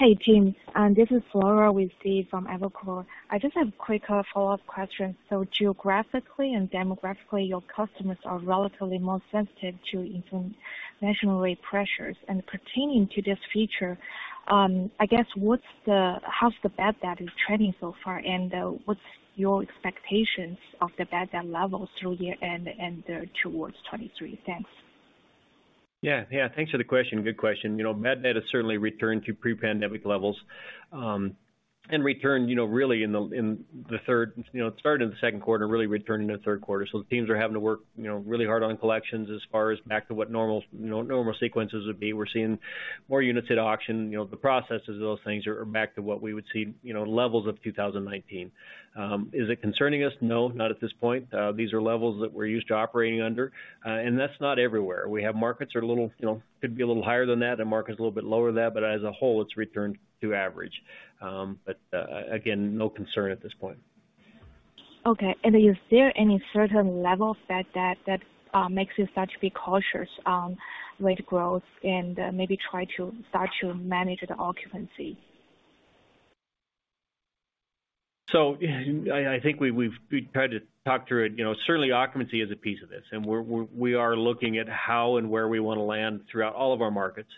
Hey, team, this is Laura with Steve from Evercore. I just have a quick follow-up question. Geographically and demographically, your customers are relatively more sensitive to inflation and national pressures. Pertaining to this factor, I guess, how's the bad debt trending so far, and what's your expectations of the bad debt levels through year-end and towards 2023? Thanks. Yeah. Yeah, thanks for the question. Good question. You know, bad debt has certainly returned to pre-pandemic levels, and returned, you know, really in the third, you know, it started in the second quarter, really returned into the third quarter. The teams are having to work, you know, really hard on collections as far as back to what normal, you know, normal cadence would be. We're seeing more units at auction. You know, the processes of those things are back to what we would see, you know, levels of 2019. Is it concerning us? No, not at this point. These are levels that we're used to operating under. And that's not everywhere. We have markets that are a little, you know, could be a little higher than that, and markets a little bit lower than that. As a whole, it's returned to average. Again, no concern at this point. Okay. Is there any certain level of bad debt that makes you start to be cautious on rate growth and maybe try to start to manage the occupancy? Yeah, I think we've tried to talk through it. You know, certainly occupancy is a piece of this, and we are looking at how and where we wanna land throughout all of our markets.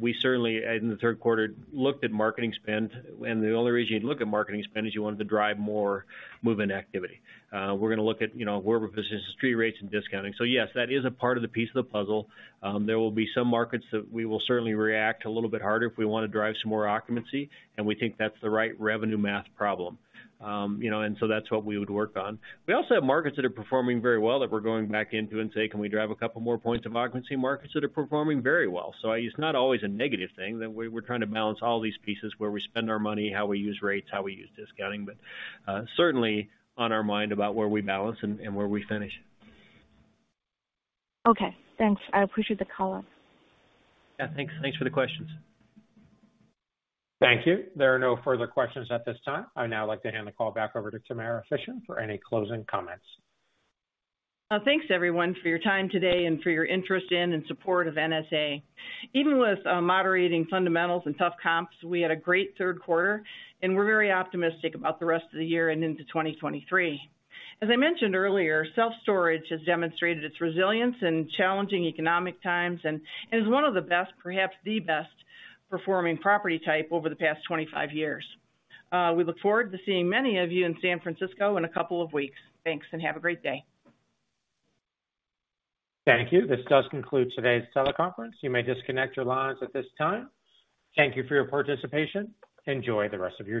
We certainly, in the third quarter, looked at marketing spend, and the only reason you'd look at marketing spend is you wanted to drive more move-in activity. We're gonna look at, you know, where we're positioned with street rates and discounting. Yes, that is a part of the piece of the puzzle. There will be some markets that we will certainly react a little bit harder if we wanna drive some more occupancy, and we think that's the right revenue math problem. You know, that's what we would work on. We also have markets that are performing very well that we're going back into and say, "Can we drive a couple more points of occupancy in markets that are performing very well?" It's not always a negative thing that we're trying to balance all these pieces, where we spend our money, how we use rates, how we use discounting. Certainly on our mind about where we balance and where we finish. Okay, thanks. I appreciate the call. Yeah, thanks. Thanks for the questions. Thank you. There are no further questions at this time. I'd now like to hand the call back over to Tamara Fischer for any closing comments. Thanks everyone for your time today and for your interest in and support of NSA. Even with moderating fundamentals and tough comps, we had a great third quarter, and we're very optimistic about the rest of the year and into 2023. As I mentioned earlier, self-storage has demonstrated its resilience in challenging economic times and is one of the best, perhaps the best performing property type over the past 25 years. We look forward to seeing many of you in San Francisco in a couple of weeks. Thanks, and have a great day. Thank you. This does conclude today's teleconference. You may disconnect your lines at this time. Thank you for your participation. Enjoy the rest of your day.